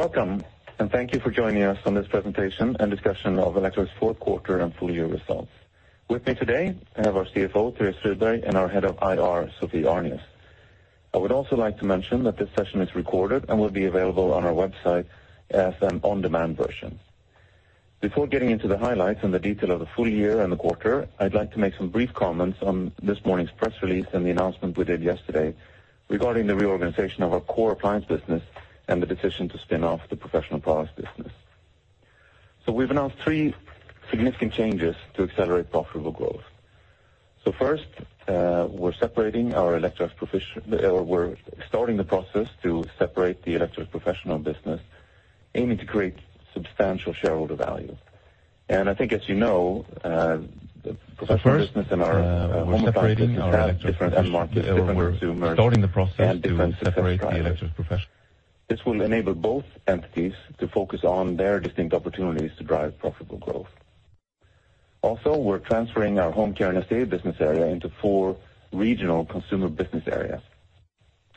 Welcome, and thank you for joining us on this presentation and discussion of Electrolux Q4 and Full Year Results. With me today, I have our CFO, Therese Friberg, and our head of IR, Sophie Arnius. I would also like to mention that this session is recorded and will be available on our website as an on-demand version. Before getting into the highlights and the detail of the full year and the quarter, I would like to make some brief comments on this morning's press release and the announcement we did yesterday regarding the reorganization of our core appliance business and the decision to spin off the Professional products business. We have announced three significant changes to accelerate profitable growth. First, we are starting the process to separate the Electrolux Professional business, aiming to create substantial shareholder value. I think, as you know, the Professional business and our home appliance business have different end markets, different consumers, and different success drivers. This will enable both entities to focus on their distinct opportunities to drive profitable growth. Also, we are transferring our Home Care and SDA business area into four regional consumer business areas.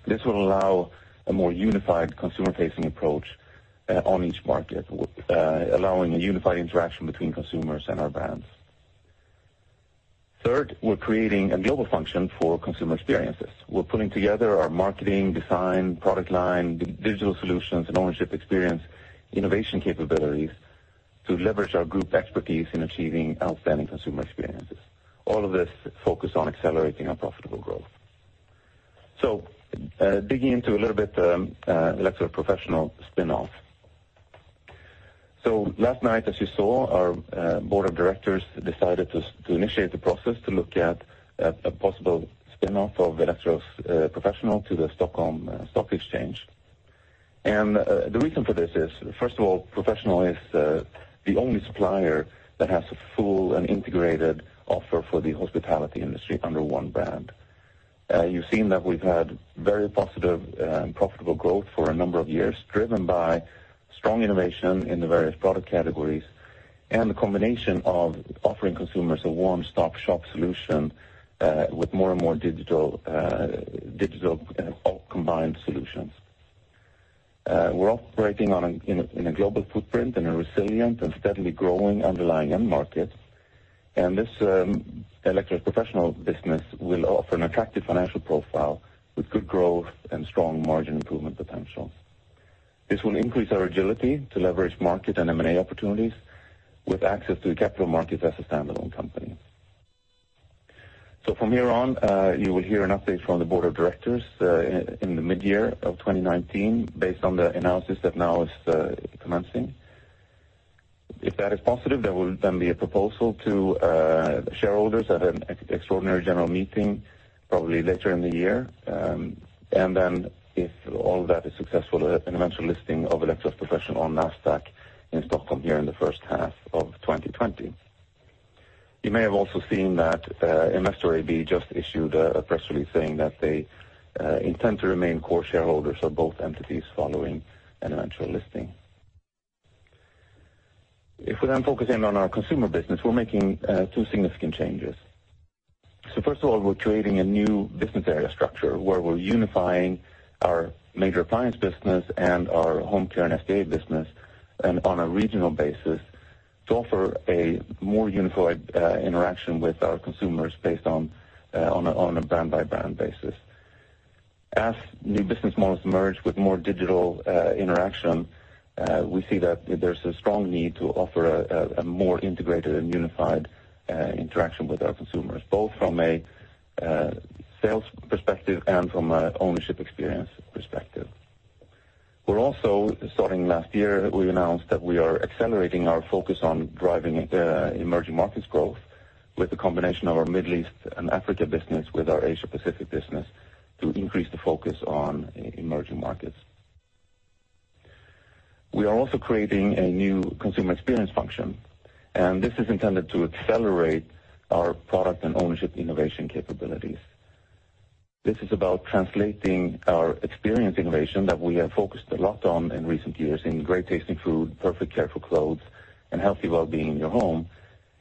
This will allow a more unified consumer-facing approach on each market, allowing a unified interaction between consumers and our brands. Third, we are creating a global function for consumer experiences. We are putting together our marketing, design, product line, digital solutions, and ownership experience innovation capabilities to leverage our group expertise in achieving outstanding consumer experiences. All of this focused on accelerating our profitable growth. Digging into a little bit Electrolux Professional spin-off. Last night, as you saw, our board of directors decided to initiate the process to look at a possible spin-off of Electrolux Professional to the Stockholm Stock Exchange. The reason for this is, first of all, Professional is the only supplier that has a full and integrated offer for the hospitality industry under one brand. You have seen that we have had very positive and profitable growth for a number of years, driven by strong innovation in the various product categories and the combination of offering consumers a one-stop shop solution, with more and more digital all combined solutions. We are operating in a global footprint in a resilient and steadily growing underlying end market. This Electrolux Professional business will offer an attractive financial profile with good growth and strong margin improvement potential. From here on, you will hear an update from the board of directors, in the mid-year of 2019, based on the analysis that now is commencing. If that is positive, there will then be a proposal to shareholders at an extraordinary general meeting, probably later in the year. Then if all that is successful, an eventual listing of Electrolux Professional on Nasdaq in Stockholm here in the first half of 2020. You may have also seen that Investor AB just issued a press release saying that they intend to remain core shareholders of both entities following an eventual listing. If we then focus in on our consumer business, we are making two significant changes. First of all, we're creating a new business area structure where we're unifying our major appliance business and our Home Care and SDA business on a regional basis to offer a more unified interaction with our consumers based on a brand-by-brand basis. As new business models merge with more digital interaction, we see that there's a strong need to offer a more integrated and unified interaction with our consumers, both from a sales perspective and from an ownership experience perspective. We're also, starting last year, we announced that we are accelerating our focus on driving emerging markets growth with the combination of our Middle East and Africa business with our Asia Pacific business to increase the focus on emerging markets. We are also creating a new consumer experience function. This is intended to accelerate our product and ownership innovation capabilities. This is about translating our experience innovation that we have focused a lot on in recent years in great tasting food, perfect care for clothes, and healthy well-being in your home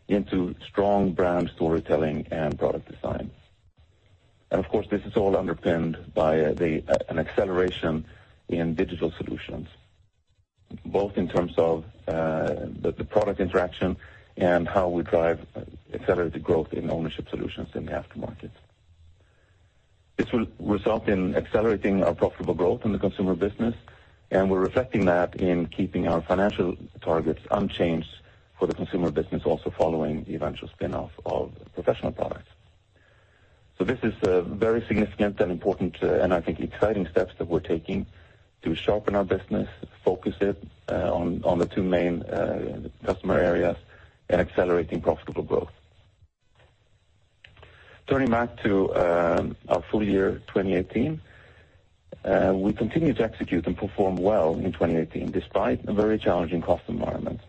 into strong brand storytelling and product design. Of course, this is all underpinned by an acceleration in digital solutions, both in terms of the product interaction and how we accelerate the growth in ownership solutions in the aftermarket. This will result in accelerating our profitable growth in the consumer business, and we're reflecting that in keeping our financial targets unchanged for the consumer business, also following the eventual spin-off of Professional products. This is very significant and important, and I think exciting steps that we're taking to sharpen our business, focus it on the two main customer areas, and accelerating profitable growth. Turning back to our full year 2018. We continued to execute and perform well in 2018, despite a very challenging cost environment.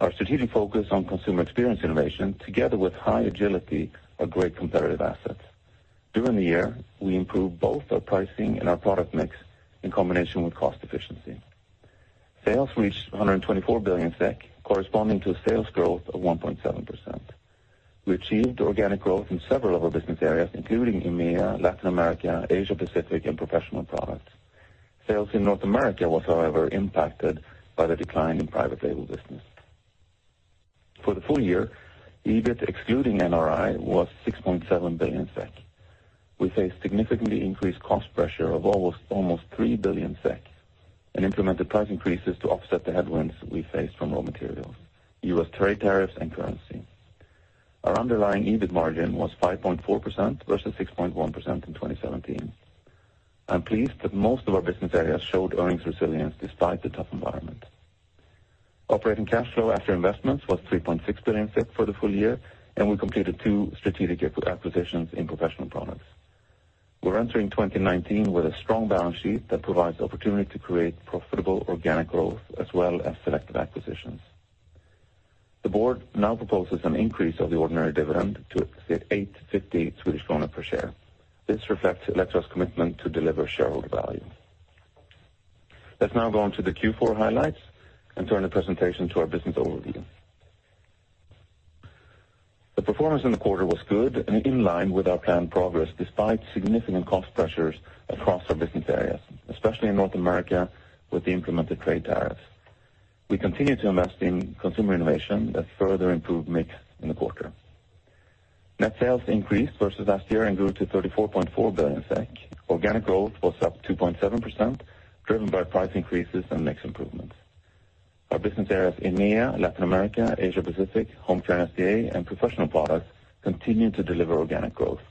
Our strategic focus on consumer experience innovation, together with high agility, are great competitive assets. During the year, we improved both our pricing and our product mix in combination with cost efficiency. Sales reached 124 billion SEK, corresponding to a sales growth of 1.7%. We achieved organic growth in several of our business areas, including EMEA, Latin America, Asia Pacific and Professional Products. Sales in North America was however impacted by the decline in private label business. For the full year, EBIT excluding NRI was 6.7 billion SEK. We faced significantly increased cost pressure of almost 3 billion SEK and implemented price increases to offset the headwinds we faced from raw materials, U.S. trade tariffs and currency. Our underlying EBIT margin was 5.4% versus 6.1% in 2017. I'm pleased that most of our business areas showed earnings resilience despite the tough environment. Operating cash flow after investments was 3.6 billion for the full year, and we completed two strategic acquisitions in Professional Products. We're entering 2019 with a strong balance sheet that provides the opportunity to create profitable organic growth as well as selective acquisitions. The board now proposes an increase of the ordinary dividend to 8.50 Swedish krona per share. This reflects Electrolux's commitment to deliver shareholder value. Let's now go on to the Q4 highlights and turn the presentation to our business overview. The performance in the quarter was good and in line with our planned progress, despite significant cost pressures across our business areas, especially in North America with the implemented trade tariffs. We continue to invest in consumer innovation that further improved mix in the quarter. Net sales increased versus last year and grew to 34.4 billion SEK. Organic growth was up 2.7%, driven by price increases and mix improvements. Our business areas, EMEA, Latin America, Asia Pacific, Home Appliances, and Professional Products continued to deliver organic growth.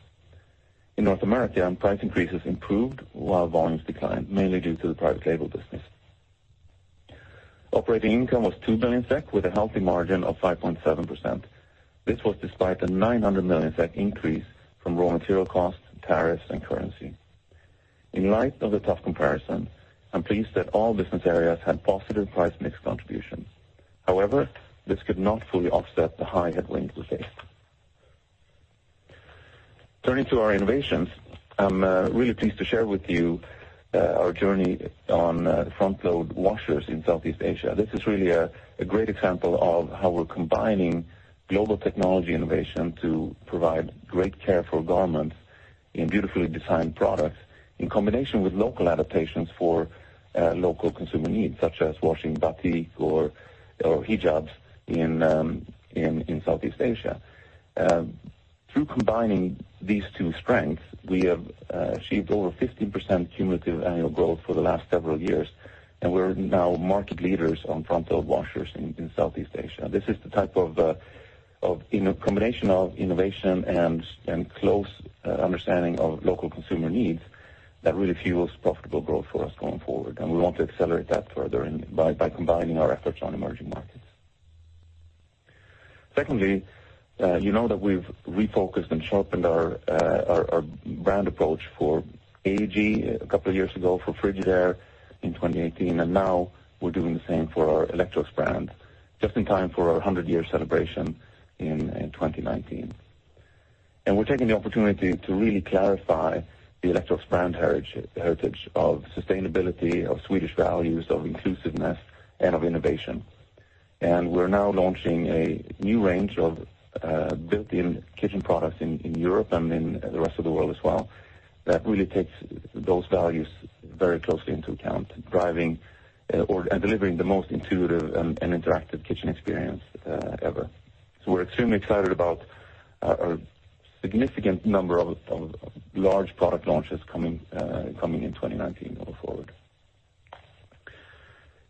In North America, price increases improved while volumes declined, mainly due to the private label business. Operating income was 2 billion SEK with a healthy margin of 5.7%. This was despite a 900 million SEK increase from raw material costs, tariffs, and currency. In light of the tough comparison, I'm pleased that all business areas had positive price mix contributions. This could not fully offset the high headwinds we faced. Turning to our innovations. I'm really pleased to share with you our journey on front-load washers in Southeast Asia. This is really a great example of how we're combining global technology innovation to provide great care for garments in beautifully designed products, in combination with local adaptations for local consumer needs, such as washing batik or hijabs in Southeast Asia. Through combining these two strengths, we have achieved over 15% cumulative annual growth for the last several years, and we're now market leaders on front-load washers in Southeast Asia. This is the type of combination of innovation and close understanding of local consumer needs that really fuels profitable growth for us going forward. We want to accelerate that further by combining our efforts on emerging markets. Secondly, you know that we've refocused and sharpened our brand approach for AEG a couple of years ago, for Frigidaire in 2018, and now we're doing the same for our Electrolux brand, just in time for our 100-year celebration in 2019. We're taking the opportunity to really clarify the Electrolux brand heritage of sustainability, of Swedish values, of inclusiveness, and of innovation. We're now launching a new range of built-in kitchen products in Europe and in the rest of the world as well. That really takes those values very closely into account, driving and delivering the most intuitive and interactive kitchen experience ever. We're extremely excited about our significant number of large product launches coming in 2019 going forward.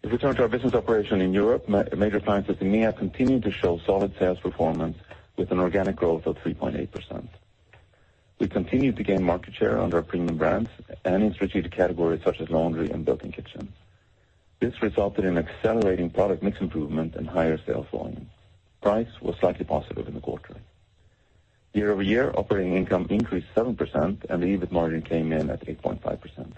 If we turn to our business operation in Europe, major appliances EMEA continued to show solid sales performance with an organic growth of 3.8%. We continued to gain market share under our premium brands and in strategic categories such as laundry and built-in kitchen. This resulted in accelerating product mix improvement and higher sales volume. Price was slightly positive in the quarter. Year-over-year, operating income increased 7% and the EBIT margin came in at 8.5%.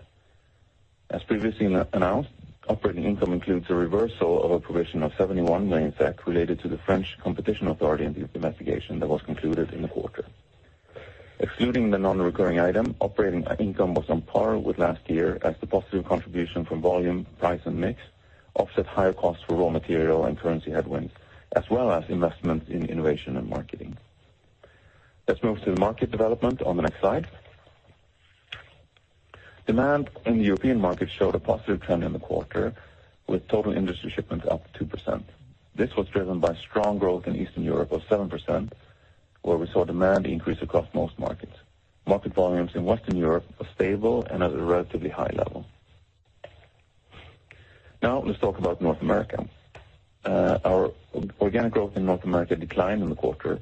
As previously announced, operating income includes a reversal of a provision of 71 million SEK related to the French competition authority investigation that was concluded in the quarter. Excluding the non-recurring item, operating income was on par with last year as the positive contribution from volume, price and mix offset higher costs for raw material and currency headwinds, as well as investments in innovation and marketing. Let's move to the market development on the next slide. Demand in the European market showed a positive trend in the quarter, with total industry shipments up 2%. This was driven by strong growth in Eastern Europe of 7%, where we saw demand increase across most markets. Market volumes in Western Europe are stable and at a relatively high level. Now let's talk about North America. Our organic growth in North America declined in the quarter.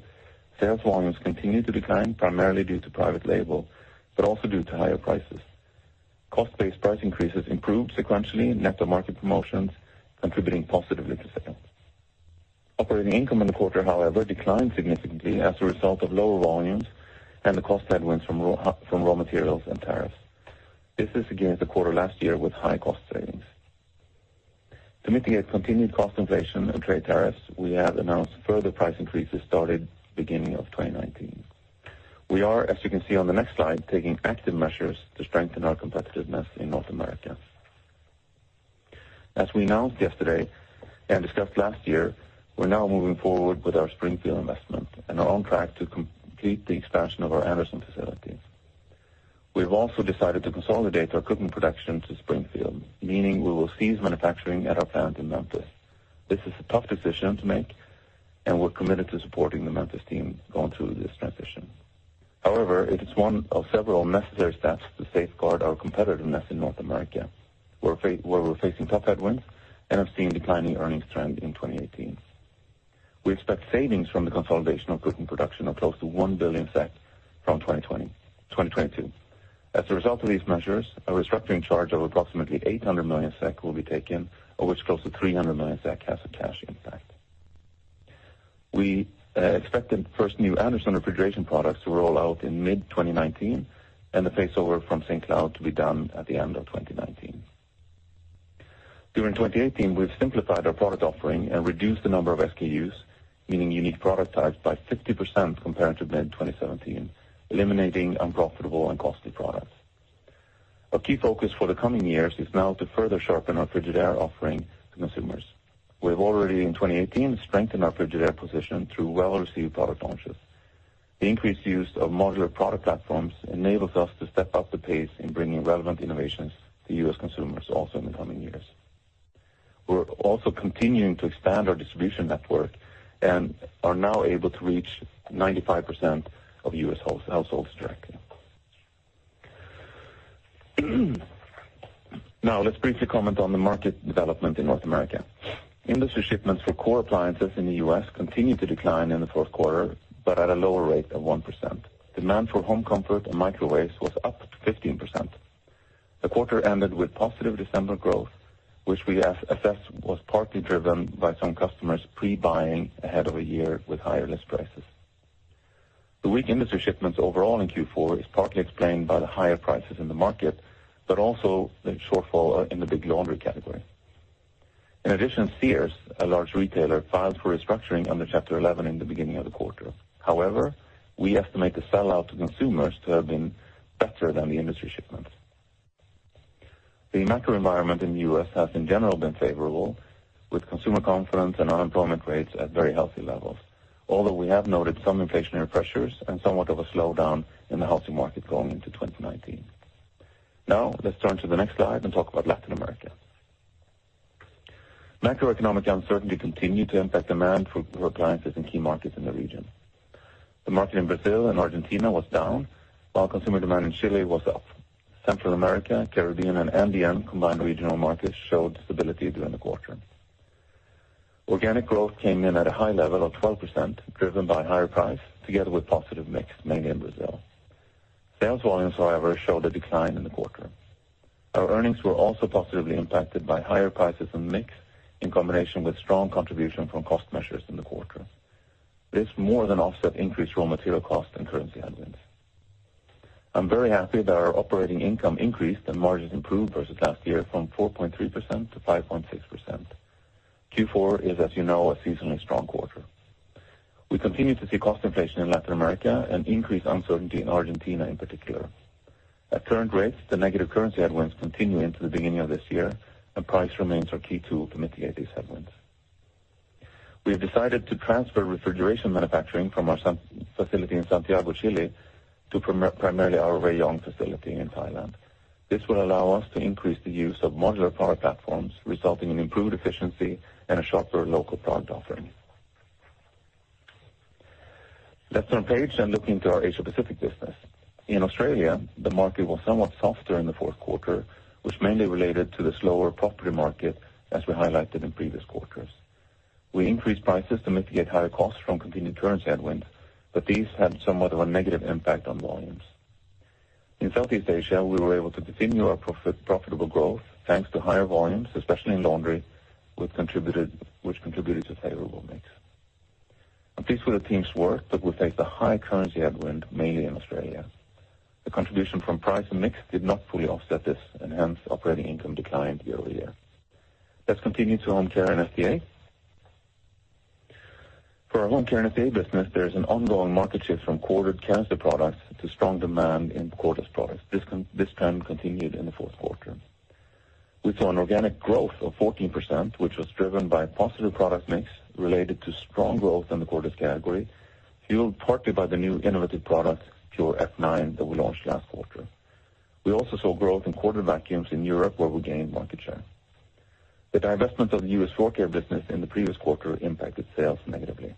Sales volumes continued to decline, primarily due to private label, but also due to higher prices. Cost-based price increases improved sequentially, net of market promotions contributing positively to sales. Operating income in the quarter, however, declined significantly as a result of lower volumes and the cost headwinds from raw materials and tariffs. This is against the quarter last year with high cost savings. To mitigate continued cost inflation and trade tariffs, we have announced further price increases started beginning of 2019. We are, as you can see on the next slide, taking active measures to strengthen our competitiveness in North America. As we announced yesterday and discussed last year, we're now moving forward with our Springfield investment and are on track to complete the expansion of our Anderson facility. We've also decided to consolidate our cooking production to Springfield, meaning we will cease manufacturing at our plant in Memphis. This is a tough decision to make, and we're committed to supporting the Memphis team going through this transition. It is one of several necessary steps to safeguard our competitiveness in North America, where we're facing tough headwinds and have seen declining earnings trend in 2018. We expect savings from the consolidation of cooking production of close to 1 billion from 2022. As a result of these measures, a restructuring charge of approximately 800 million SEK will be taken, of which close to 300 million SEK has a cash impact. We expect the first new Anderson refrigeration products to roll out in mid-2019, and the phaseover from St. Cloud to be done at the end of 2019. During 2018, we've simplified our product offering and reduced the number of SKUs, meaning unique product types, by 50% compared to mid-2017, eliminating unprofitable and costly products. Our key focus for the coming years is now to further sharpen our Frigidaire offering to consumers. We have already in 2018 strengthened our Frigidaire position through well-received product launches. The increased use of modular product platforms enables us to step up the pace in bringing relevant innovations to U.S. consumers also in the coming years. We're also continuing to expand our distribution network and are now able to reach 95% of U.S. households directly. Let's briefly comment on the market development in North America. Industry shipments for core appliances in the U.S. continued to decline in Q4, but at a lower rate of 1%. Demand for home comfort and microwaves was up 15%. The quarter ended with positive December growth, which we have assessed was partly driven by some customers pre-buying ahead of a year with higher list prices. The weak industry shipments overall in Q4 is partly explained by the higher prices in the market, but also the shortfall in the big laundry category. In addition, Sears, a large retailer, filed for restructuring under Chapter 11 in the beginning of the quarter. We estimate the sellout to consumers to have been better than the industry shipments. The macro environment in the U.S. has in general been favorable, with consumer confidence and unemployment rates at very healthy levels. Although, we have noted some inflationary pressures and somewhat of a slowdown in the housing market going into 2019. Let's turn to the next slide and talk about Latin America. Macroeconomic uncertainty continued to impact demand for appliances in key markets in the region. The market in Brazil and Argentina was down, while consumer demand in Chile was up. Central America, Caribbean, and Andean combined regional markets showed stability during the quarter. Organic growth came in at a high level of 12%, driven by higher price together with positive mix, mainly in Brazil. Sales volumes, however, showed a decline in the quarter. Our earnings were also positively impacted by higher prices and mix in combination with strong contribution from cost measures in the quarter. This more than offset increased raw material cost and currency headwinds. I'm very happy that our operating income increased and margins improved versus last year from 4.3% to 5.6%. Q4 is, as you know, a seasonally strong quarter. We continue to see cost inflation in Latin America, and increased uncertainty in Argentina in particular. At current rates, the negative currency headwinds continue into the beginning of this year. Price remains our key tool to mitigate these headwinds. We have decided to transfer refrigeration manufacturing from our facility in Santiago, Chile, to primarily our Rayong facility in Thailand. This will allow us to increase the use of modular product platforms, resulting in improved efficiency and a sharper local product offering. Let's turn page and look into our Asia Pacific business. In Australia, the market was somewhat softer in Q4, which mainly related to the slower property market as we highlighted in previous quarters. We increased prices to mitigate higher costs from continued currency headwinds. These had somewhat of a negative impact on volumes. In Southeast Asia, we were able to continue our profitable growth, thanks to higher volumes, especially in laundry, which contributed to favorable mix. I'm pleased with the team's work that would take the high currency headwind, mainly in Australia. The contribution from price and mix did not fully offset this. Hence operating income declined year-over-year. Let's continue to Home Care and SDA. For our Home Care and SDA business, there is an ongoing market shift from corded canister products to strong demand in cordless products. This trend continued in Q4. We saw an organic growth of 14%, which was driven by positive product mix related to strong growth in the cordless category, fueled partly by the new innovative product, Pure F9, that we launched last quarter. We also saw growth in corded vacuums in Europe, where we gained market share. The divestment of the U.S. floor care business in the previous quarter impacted sales negatively.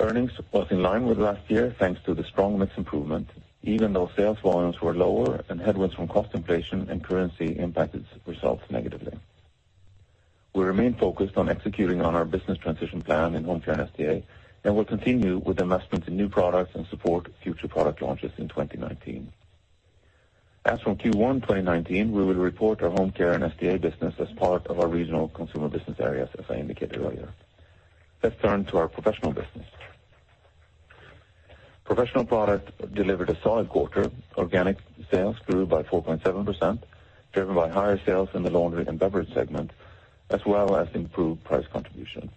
Earnings was in line with last year, thanks to the strong mix improvement, even though sales volumes were lower. Headwinds from cost inflation and currency impacted results negatively. We remain focused on executing on our business transition plan in Home Care and SDA. We'll continue with investments in new products and support future product launches in 2019. As from Q1 2019, we will report our Home Care and SDA business as part of our regional consumer business areas, as I indicated earlier. Let's turn to our Professional business. Professional Product delivered a solid quarter. Organic sales grew by 4.7%, driven by higher sales in the laundry and beverage segment, as well as improved price contribution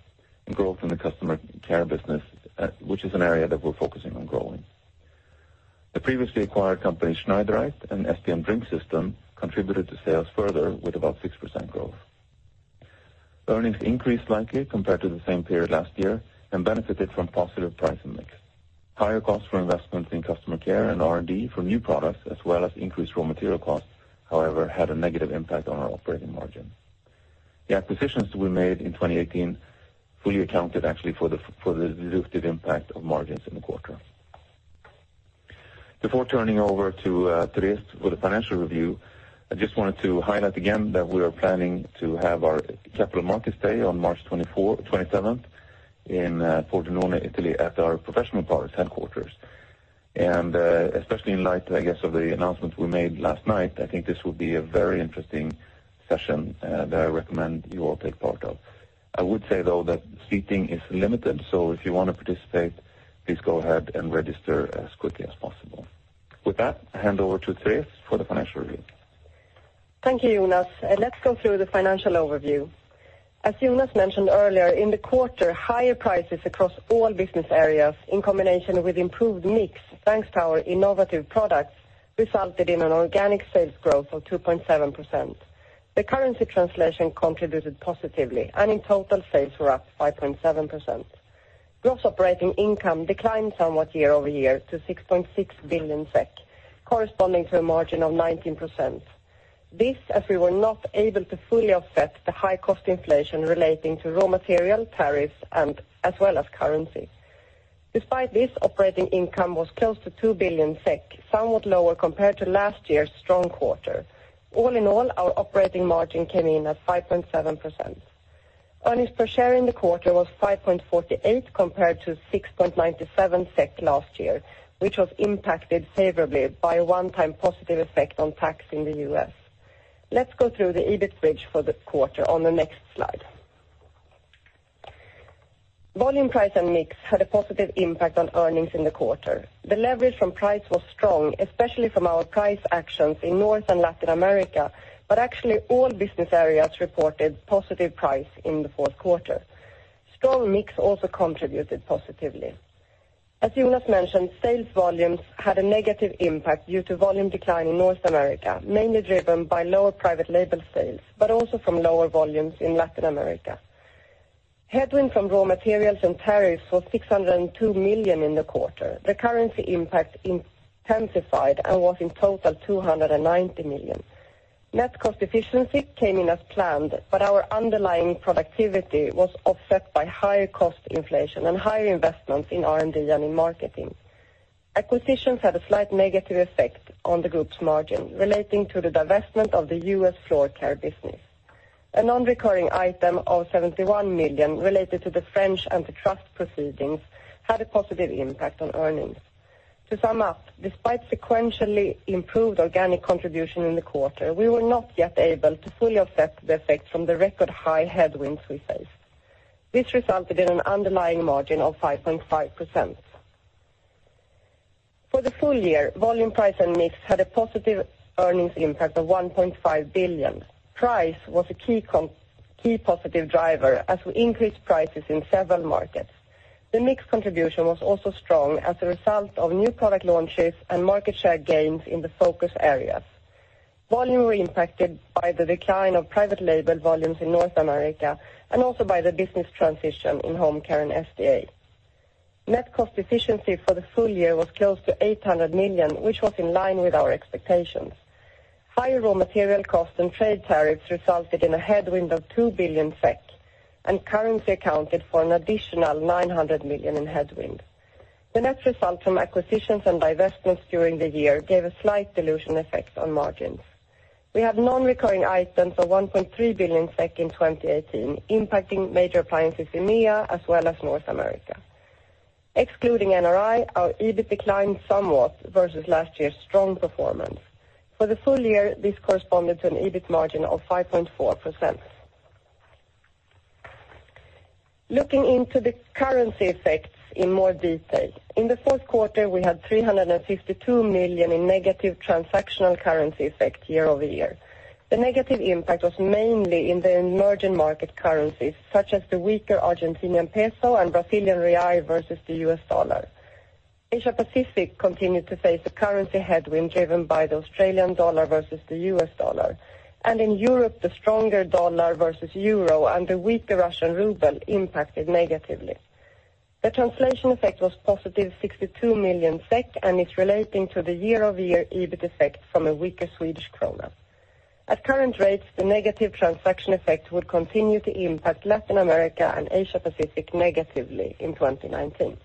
and growth in the customer care business, which is an area that we're focusing on growing. The previously acquired company, Schneidereit and SPM Drink Systems, contributed to sales further with about 6% growth. Earnings increased slightly compared to the same period last year and benefited from positive price and mix. Higher costs for investments in customer care and R&D for new products, as well as increased raw material costs, however, had a negative impact on our operating margin. The acquisitions we made in 2018 fully accounted, actually, for the dilutive impact of margins in the quarter. Before turning over to Therese for the financial review, I just wanted to highlight again that we are planning to have our Capital Markets Day on March 27th in Pordenone, Italy, at our Professional products headquarters. Especially in light, I guess, of the announcements we made last night, I think this will be a very interesting session that I recommend you all take part of. I would say, though, that seating is limited, if you want to participate, please go ahead and register as quickly as possible. With that, I hand over to Therese for the financial review. Thank you, Jonas, let's go through the financial overview. As Jonas mentioned earlier, in the quarter, higher prices across all business areas in combination with improved mix thanks to our innovative products, resulted in an organic sales growth of 2.7%. The currency translation contributed positively, in total, sales were up 5.7%. Gross operating income declined somewhat year-over-year to 6.6 billion SEK, corresponding to a margin of 19%. This as we were not able to fully offset the high cost inflation relating to raw material, tariffs, and as well as currency. Despite this, operating income was close to 2 billion SEK, somewhat lower compared to last year's strong quarter. All in all, our operating margin came in at 5.7%. Earnings per share in the quarter was 5.48 compared to 6.97 SEK last year, which was impacted favorably by a one-time positive effect on tax in the U.S. Let's go through the EBIT bridge for the quarter on the next slide. Volume, price, and mix had a positive impact on earnings in the quarter. The leverage from price was strong, especially from our price actions in North and Latin America, actually, all business areas reported positive price in Q4. Strong mix also contributed positively. As Jonas mentioned, sales volumes had a negative impact due to volume decline in North America, mainly driven by lower private label sales, also from lower volumes in Latin America. Headwind from raw materials and tariffs was 602 million in the quarter. The currency impact intensified and was in total 290 million. Net cost efficiency came in as planned, our underlying productivity was offset by higher cost inflation and higher investments in R&D and in marketing. Acquisitions had a slight negative effect on the group's margin relating to the divestment of the U.S. floor care business. A non-recurring item of 71 million related to the French antitrust proceedings had a positive impact on earnings. To sum up, despite sequentially improved organic contribution in the quarter, we were not yet able to fully offset the effects from the record high headwinds we faced. This resulted in an underlying margin of 5.5%. For the full year, volume, price, and mix had a positive earnings impact of 1.5 billion. Price was a key positive driver as we increased prices in several markets. The mix contribution was also strong as a result of new product launches and market share gains in the focus areas. Volume were impacted by the decline of private label volumes in North America and also by the business transition in Home Care and SDA. Net cost efficiency for the full year was close to 800 million, which was in line with our expectations. Higher raw material costs and trade tariffs resulted in a headwind of 2 billion SEK and currency accounted for an additional 900 million in headwind. The net result from acquisitions and divestments during the year gave a slight dilution effect on margins. We had non-recurring items of 1.3 billion SEK in 2018 impacting major appliances in EMEA as well as North America. Excluding NRI, our EBIT declined somewhat versus last year's strong performance. For the full year, this corresponded to an EBIT margin of 5.4%. Looking into the currency effects in more detail. In Q4, we had 352 million in negative transactional currency effect year-over-year. The negative impact was mainly in the emerging market currencies, such as the weaker Argentinian peso and Brazilian real versus the U.S. dollar. Asia-Pacific continued to face a currency headwind driven by the Australian dollar versus the U.S. dollar, and in Europe, the stronger dollar versus euro and the weaker Russian ruble impacted negatively. The translation effect was positive 62 million SEK, and it's relating to the year-over-year EBIT effect from a weaker Swedish krona. At current rates, the negative transaction effect would continue to impact Latin America and Asia-Pacific negatively in 2019.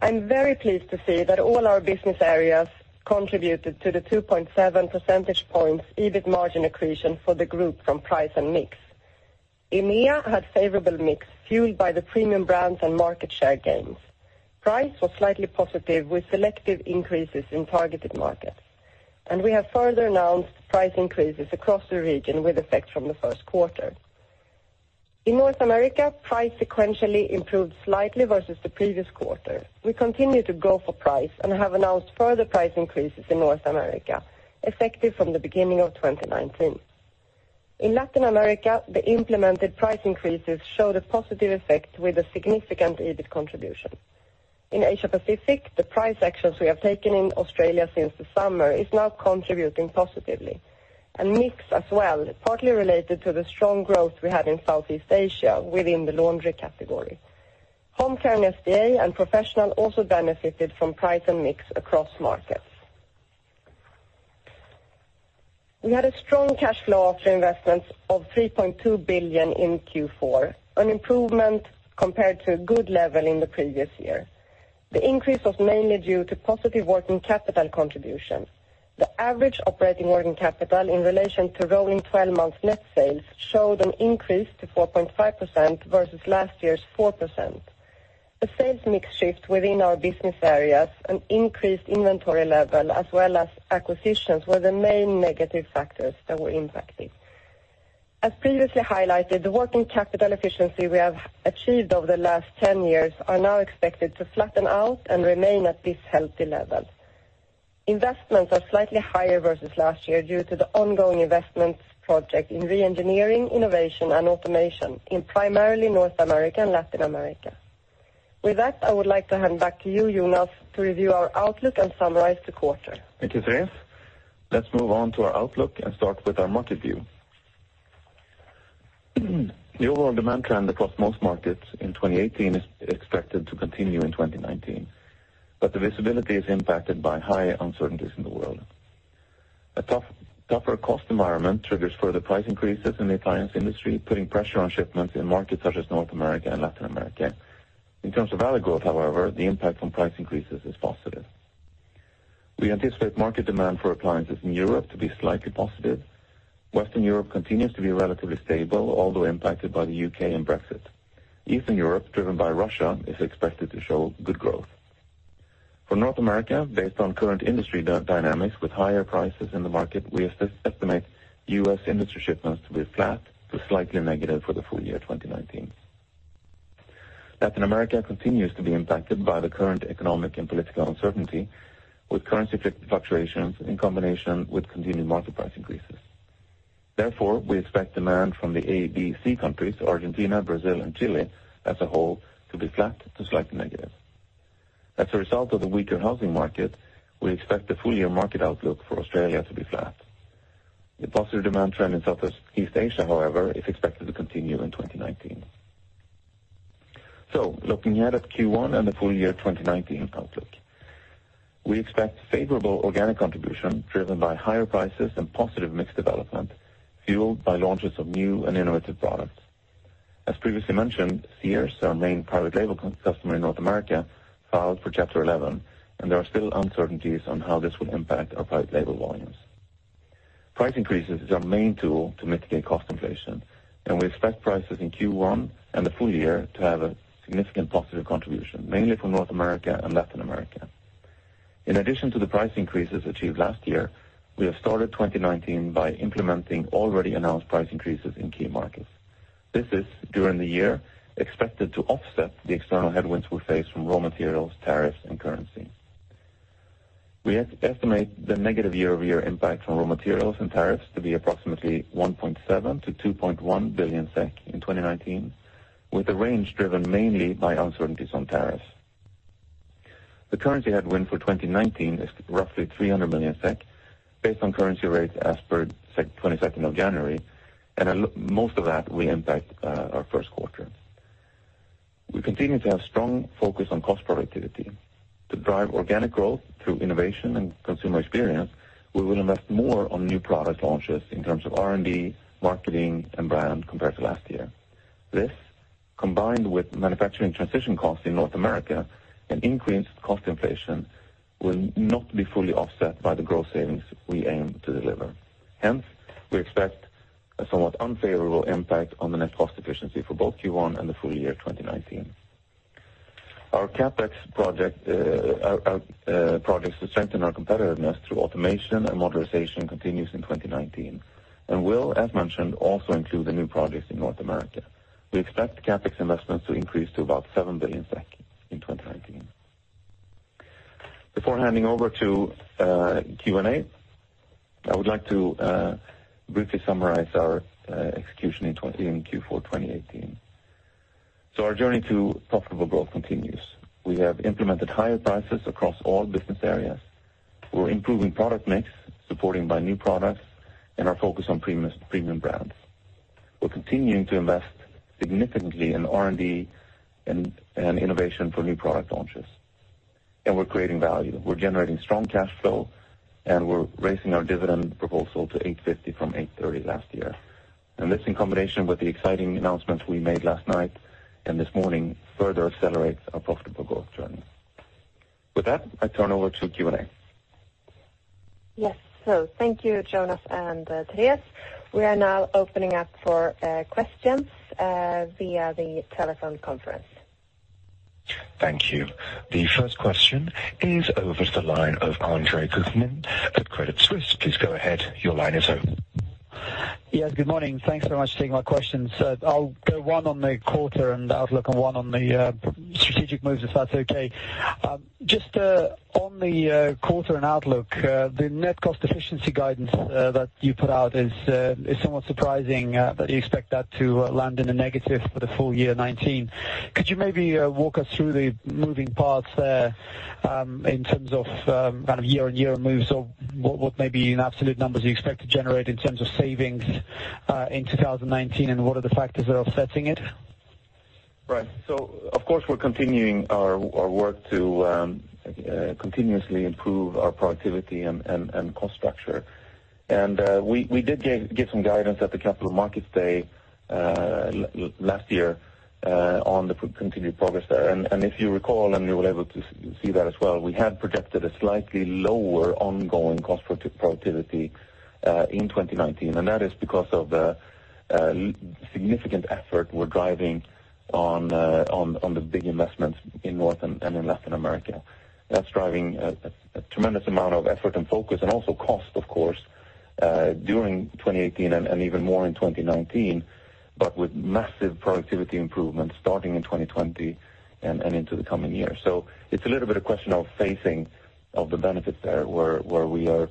I'm very pleased to see that all our business areas contributed to the 2.7 percentage points EBIT margin accretion for the group from price and mix. EMEA had favorable mix fueled by the premium brands and market share gains. Price was slightly positive with selective increases in targeted markets, and we have further announced price increases across the region with effect from Q1. In North America, price sequentially improved slightly versus the previous quarter. We continue to go for price and have announced further price increases in North America, effective from the beginning of 2019. In Latin America, the implemented price increases show the positive effect with a significant EBIT contribution. In Asia-Pacific, the price actions we have taken in Australia since the summer is now contributing positively, and mix as well, partly related to the strong growth we have in Southeast Asia within the laundry category. Home Care and SDA and Professional also benefited from price and mix across markets. We had a strong cash flow after investments of 3.2 billion in Q4, an improvement compared to a good level in the previous year. The increase was mainly due to positive working capital contribution. The average operating working capital in relation to rolling 12 months net sales showed an increase to 4.5% versus last year's 4%. The sales mix shift within our business areas and increased inventory level, as well as acquisitions, were the main negative factors that were impacted. As previously highlighted, the working capital efficiency we have achieved over the last 10 years are now expected to flatten out and remain at this healthy level. Investments are slightly higher versus last year due to the ongoing investments project in re-engineering, innovation, and automation in primarily North America and Latin America. With that, I would like to hand back to you, Jonas, to review our outlook and summarize the quarter. Thank you, Therese. Let's move on to our outlook and start with our market view. The overall demand trend across most markets in 2018 is expected to continue in 2019, the visibility is impacted by high uncertainties in the world. A tougher cost environment triggers further price increases in the appliance industry, putting pressure on shipments in markets such as North America and Latin America. In terms of value growth, however, the impact from price increases is positive. We anticipate market demand for appliances in Europe to be slightly positive. Western Europe continues to be relatively stable, although impacted by the U.K. and Brexit. Eastern Europe, driven by Russia, is expected to show good growth. For North America, based on current industry dynamics with higher prices in the market, we estimate U.S. industry shipments to be flat to slightly negative for the full year 2019. Latin America continues to be impacted by the current economic and political uncertainty, with currency fluctuations in combination with continued market price increases. We expect demand from the ABC countries, Argentina, Brazil, and Chile as a whole to be flat to slightly negative. As a result of the weaker housing market, we expect the full year market outlook for Australia to be flat. The positive demand trend in Southeast Asia, however, is expected to continue in 2019. Looking ahead at Q1 and the full year 2019 outlook. We expect favorable organic contribution driven by higher prices and positive mix development, fueled by launches of new and innovative products. As previously mentioned, Sears, our main private label customer in North America, filed for Chapter 11, there are still uncertainties on how this will impact our private label volumes. Price increases is our main tool to mitigate cost inflation, we expect prices in Q1 and the full year to have a significant positive contribution, mainly from North America and Latin America. In addition to the price increases achieved last year, we have started 2019 by implementing already announced price increases in key markets. This is, during the year, expected to offset the external headwinds we face from raw materials, tariffs, and currency. We estimate the negative year-over-year impact from raw materials and tariffs to be approximately 1.7 billion-2.1 billion SEK in 2019, with the range driven mainly by uncertainties on tariffs. The currency headwind for 2019 is roughly 300 million SEK based on currency rates as per 22nd January, most of that will impact our Q1. We continue to have strong focus on cost productivity. To drive organic growth through innovation and consumer experience, we will invest more on new product launches in terms of R&D, marketing, and brand compared to last year. This, combined with manufacturing transition costs in North America and increased cost inflation, will not be fully offset by the growth savings we aim to deliver. Hence, we expect a somewhat unfavorable impact on the net cost efficiency for both Q1 and the full year 2019. Our CapEx projects to strengthen our competitiveness through automation and modernization continues in 2019 and will, as mentioned, also include the new projects in North America. We expect CapEx investments to increase to about SEK 7 billion in 2019. Our journey to profitable growth continues. We have implemented higher prices across all business areas. We're improving product mix, supported by new products and our focus on premium brands. We're continuing to invest significantly in R&D and innovation for new product launches. We're creating value. We're generating strong cash flow, and we're raising our dividend proposal to 8.50 from 8.30 last year. This, in combination with the exciting announcements we made last night and this morning, further accelerates our profitable growth journey. With that, I turn over to Q&A. Yes. Thank you, Jonas and Therese. We are now opening up for questions via the telephone conference. Thank you. The first question is over to the line of Andre Kukhnin at Credit Suisse. Please go ahead. Your line is open. Yes. Good morning. Thanks so much for taking my questions. I'll go one on the quarter and outlook and one on the strategic moves, if that's okay. Just on the quarter and outlook, the net cost efficiency guidance that you put out is somewhat surprising, that you expect that to land in the negative for the full year 2019. Could you maybe walk us through the moving parts there in terms of year-over-year moves? Or what may be in absolute numbers you expect to generate in terms of savings in 2019, and what are the factors that are offsetting it? Right. Of course, we're continuing our work to continuously improve our productivity and cost structure. We did give some guidance at the Capital Markets Day last year on the continued progress there. If you recall, and you were able to see that as well, we had projected a slightly lower ongoing cost productivity in 2019. That is because of the significant effort we're driving on the big investments in North and in Latin America. That's driving a tremendous amount of effort and focus and also cost, of course, during 2018 and even more in 2019, but with massive productivity improvements starting in 2020 and into the coming years. It's a little bit a question of phasing of the benefits there, where we are,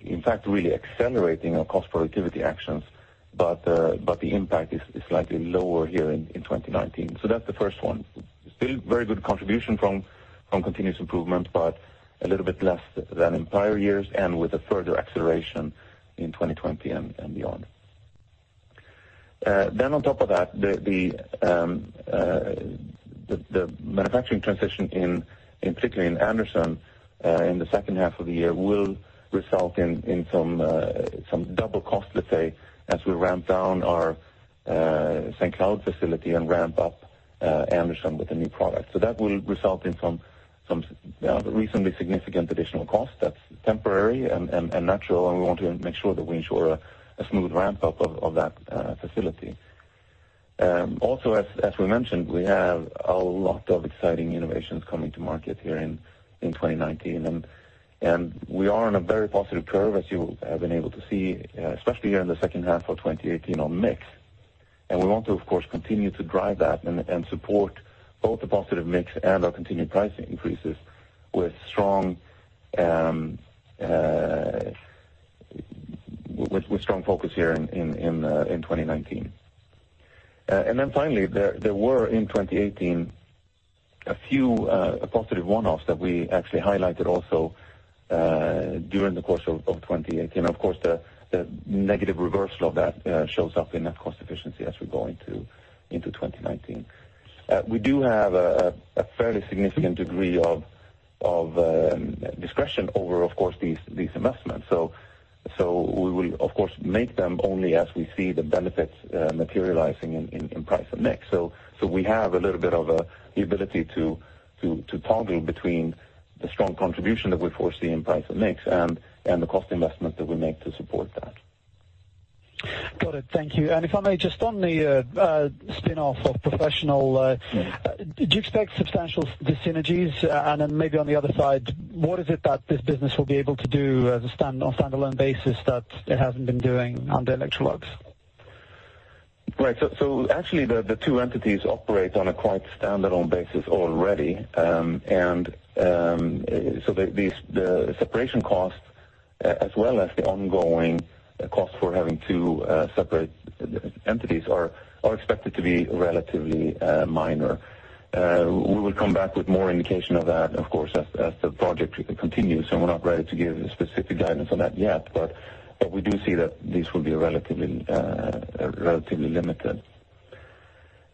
in fact, really accelerating our cost productivity actions. The impact is slightly lower here in 2019. That's the first one. Still very good contribution from continuous improvement, but a little bit less than in prior years and with a further acceleration in 2020 and beyond. On top of that, the manufacturing transition, particularly in Anderson, in the H2 of the year will result in some double cost, let's say, as we ramp down our St. Cloud facility and ramp up Anderson with a new product. That will result in some reasonably significant additional cost that's temporary and natural, and we want to make sure that we ensure a smooth ramp-up of that facility. Also, as we mentioned, we have a lot of exciting innovations coming to market here in 2019. We are on a very positive curve, as you have been able to see, especially here in the H2 of 2018 on mix. We want to, of course, continue to drive that and support both the positive mix and our continued price increases with strong focus here in 2019. Finally, there were, in 2018, a few positive one-offs that we actually highlighted also during the course of 2018. Of course, the negative reversal of that shows up in net cost efficiency as we go into 2019. We do have a fairly significant degree of discretion over, of course, these investments. We will, of course, make them only as we see the benefits materializing in price and mix. We have a little bit of the ability to toggle between the strong contribution that we foresee in price and mix and the cost investments that we make to support that. Got it. Thank you. If I may, just on the spin-off of electrolux Professional. Yeah. Do you expect substantial synergies? Then maybe on the other side, what is it that this business will be able to do as a stand-alone basis that it hasn't been doing under Electrolux? Right. Actually, the two entities operate on a quite stand-alone basis already. The separation cost, as well as the ongoing cost for having two separate entities are expected to be relatively minor. We will come back with more indication of that, of course, as the project continues, we're not ready to give specific guidance on that yet. We do see that this will be relatively limited.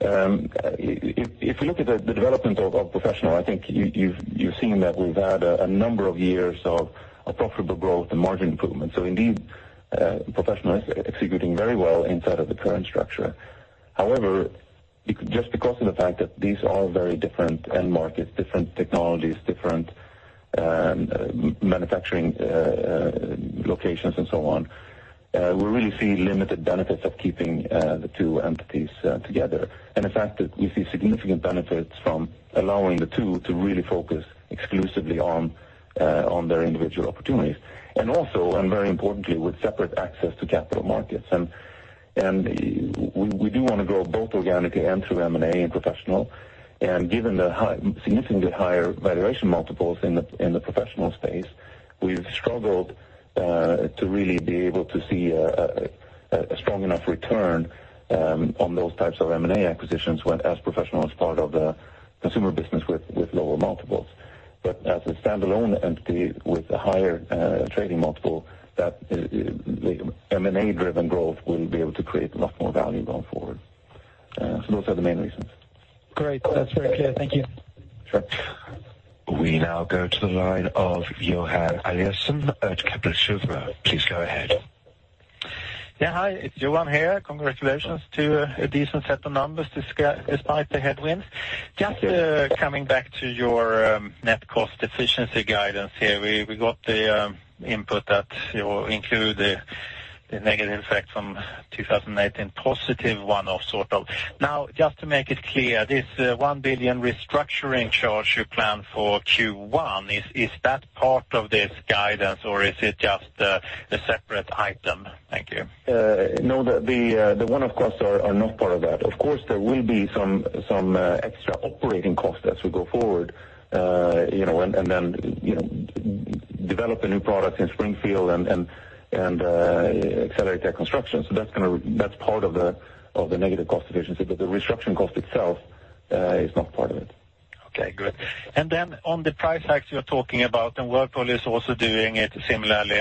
If we look at the development of Electrolux Professional, I think you've seen that we've had a number of years of profitable growth and margin improvement. Indeed, Electrolux Professional is executing very well inside of the current structure. However, just because of the fact that these are very different end markets, different technologies, different manufacturing locations, and so on, we really see limited benefits of keeping the two entities together. In fact, that we see significant benefits from allowing the two to really focus exclusively on their individual opportunities. Also, and very importantly, with separate access to capital markets. We do want to grow both organically and through M&A in Electrolux Professional. Given the significantly higher valuation multiples in the Professional space, we've struggled to really be able to see a strong enough return on those types of M&A acquisitions as Electrolux Professional, as part of the consumer business with lower multiples. As a stand-alone entity with a higher trading multiple, the M&A-driven growth will be able to create a lot more value going forward. Those are the main reasons. Great. That's very clear. Thank you. Sure. We now go to the line of Johan Eliason at Kepler Cheuvreux. Please go ahead. Hi, it's Johan here. Congratulations to a decent set of numbers despite the headwinds. Just coming back to your net cost efficiency guidance here. We got the input that you include the negative effect from 2018 positive one-off, sort of. Now, just to make it clear, this 1 billion restructuring charge you plan for Q1, is that part of this guidance, or is it just a separate item? Thank you. The one-off costs are not part of that. Of course, there will be some extra operating costs as we go forward. Develop a new product in Springfield and accelerate their construction. That's part of the negative cost efficiency, but the restructuring cost itself is not part of it. Okay, good. On the price hikes you're talking about, Whirlpool is also doing it similarly,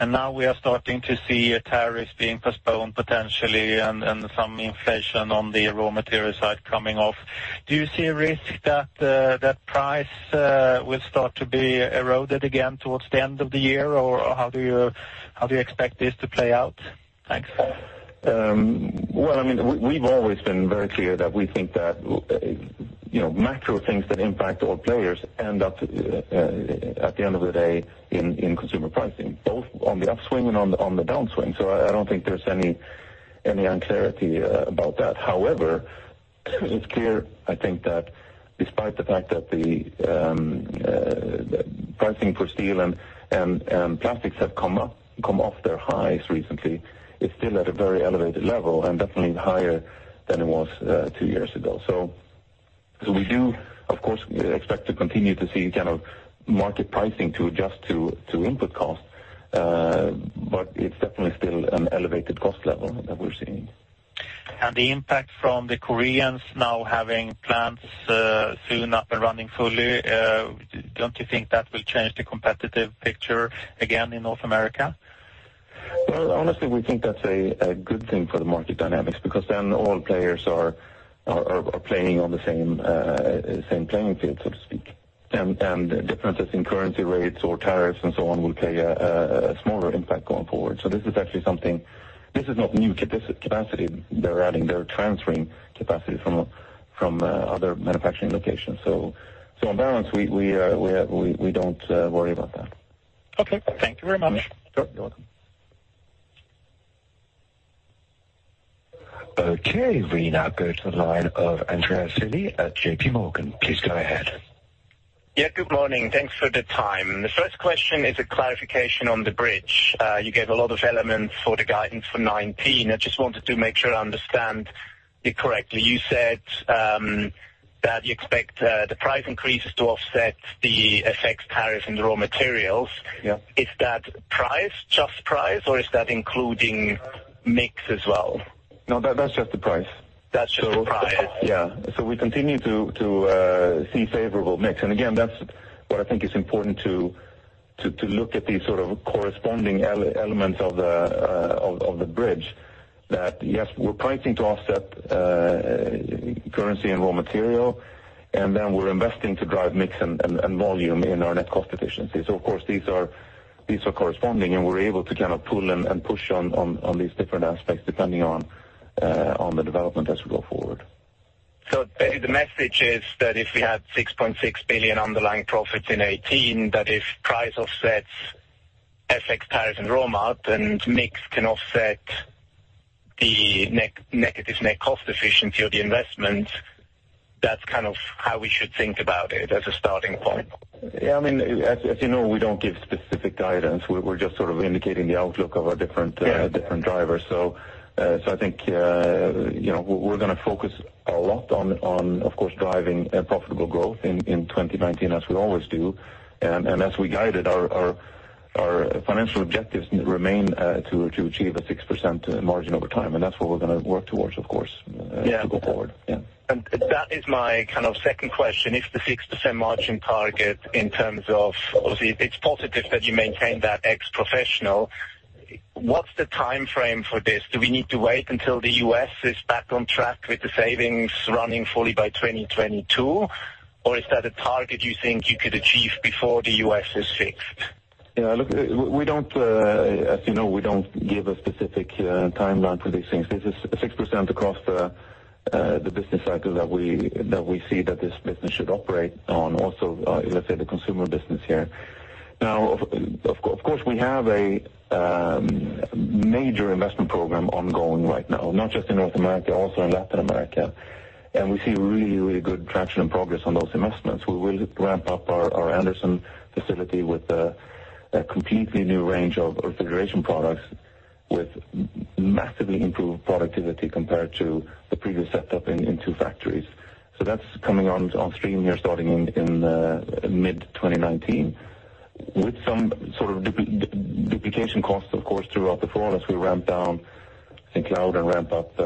now we are starting to see tariffs being postponed potentially and some inflation on the raw material side coming off. Do you see a risk that price will start to be eroded again towards the end of the year? How do you expect this to play out? Thanks. Well, we've always been very clear that we think that macro things that impact all players end up, at the end of the day, in consumer pricing, both on the upswing and on the downswing. I don't think there's any unclarity about that. However, it's clear, I think that despite the fact that the pricing for steel and plastics have come off their highs recently, it's still at a very elevated level and definitely higher than it was two years ago. We do, of course, expect to continue to see market pricing to adjust to input costs. It's definitely still an elevated cost level that we're seeing. The impact from the Koreans now having plants soon up and running fully, don't you think that will change the competitive picture again in North America? Well, honestly, we think that's a good thing for the market dynamics because then all players are playing on the same playing field, so to speak, and differences in currency rates or tariffs and so on will play a smaller impact going forward. This is actually not new capacity they're adding. They're transferring capacity from other manufacturing locations. On balance, we don't worry about that. Okay. Thank you very much. Sure. You're welcome. Okay, we now go to the line of Andreas Willi at J.P. Morgan. Please go ahead. Good morning. Thanks for the time. The first question is a clarification on the bridge. You gave a lot of elements for the guidance for 2019. I just wanted to make sure I understand it correctly. You said, that you expect the price increases to offset the effects tariff and raw materials. Yeah. Is that price, just price or is that including mix as well? That's just the price. That's just the price. Yeah. We continue to see favorable mix. Again, that's what I think is important to look at these sort of corresponding elements of the bridge that yes, we're pricing to offset currency and raw material, and then we're investing to drive mix and volume in our net cost efficiency. Of course, these are corresponding and we're able to kind of pull and push on these different aspects depending on the development as we go forward. Basically the message is that if we had 6.6 billion underlying profits in 2018, that if price offsets FX tariffs and RMI, then mix can offset the negative net cost efficiency or the investment. That is kind of how we should think about it as a starting point. As you know, we do not give specific guidance. We are just sort of indicating the outlook of our different. Yeah. drivers. I think we are going to focus a lot on, of course, driving profitable growth in 2019 as we always do, and as we guided our financial objectives remain, to achieve a 6% margin over time, and that is what we are going to work towards, of course. That is my kind of second question. If the 6% margin target in terms of, obviously it's positive that you maintain that ex Professional, what's the timeframe for this? Do we need to wait until the U.S. is back on track with the savings running fully by 2022? Is that a target you think you could achieve before the U.S. is fixed? Yeah, as you know, we don't give a specific timeline for these things. This is 6% across the business cycle that we see that this business should operate on also, let's say the consumer business here. We have a major investment program ongoing right now, not just in North America, also in Latin America. We see really good traction and progress on those investments. We will ramp up our Anderson facility with a completely new range of refrigeration products with massively improved productivity compared to the previous setup in two factories. That's coming on stream here starting in mid-2019 with some sort of duplication costs, of course, throughout the fall as we ramp down St. Cloud and ramp up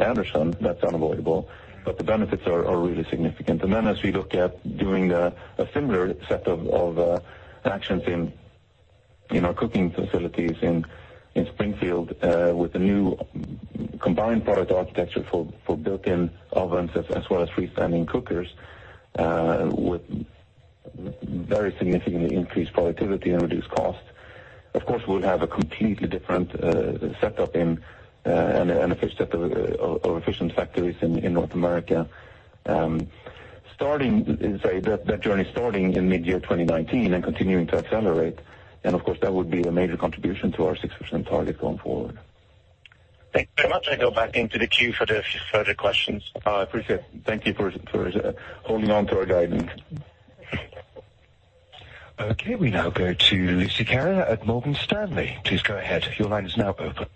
Anderson. That's unavoidable. The benefits are really significant. As we look at doing a similar set of actions in our cooking facilities in Springfield, with the new combined product architecture for built-in ovens as well as freestanding cookers, with very significantly increased productivity and reduced cost. Of course, we'll have a completely different setup in an efficient set of efficient factories in North America. That journey starting in mid-year 2019 and continuing to accelerate, of course, that would be a major contribution to our 6% target going forward. Thank you very much. I go back into the queue for the further questions. I appreciate it. Thank you for holding on to our guidance. Okay, we now go to Lucie Carrier at Morgan Stanley. Please go ahead. Your line is now open.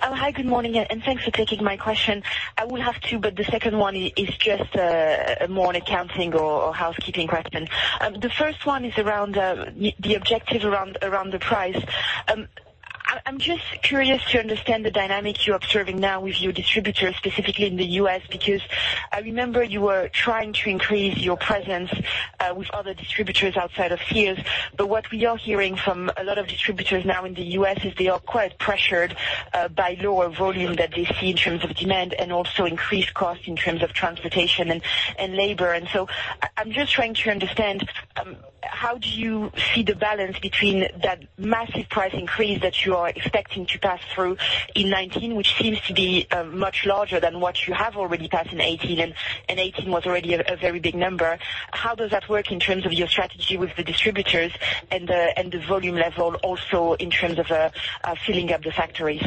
Hi. Good morning. Thanks for taking my question. I will have two. The second one is just more an accounting or housekeeping question. The first one is around the objective around the price. I'm just curious to understand the dynamic you're observing now with your distributors, specifically in the U.S., because I remember you were trying to increase your presence with other distributors outside of Sears, but what we are hearing from a lot of distributors now in the U.S. is they are quite pressured by lower volume that they see in terms of demand and also increased cost in terms of transportation and labor. I'm just trying to understand, how do you see the balance between that massive price increase that you are expecting to pass through in 2019, which seems to be much larger than what you have already passed in 2018, and 2018 was already a very big number. How does that work in terms of your strategy with the distributors and the volume level also in terms of filling up the factories?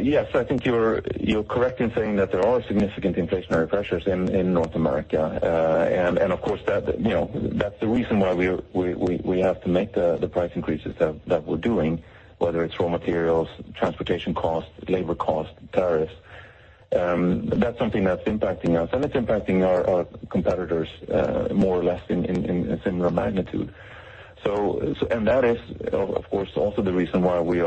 Yes, I think you're correct in saying that there are significant inflationary pressures in North America. Of course, that's the reason why we have to make the price increases that we're doing, whether it's raw materials, transportation costs, labor costs, tariffs. That's something that's impacting us, and it's impacting our competitors more or less in a similar magnitude. That is, of course, also the reason why we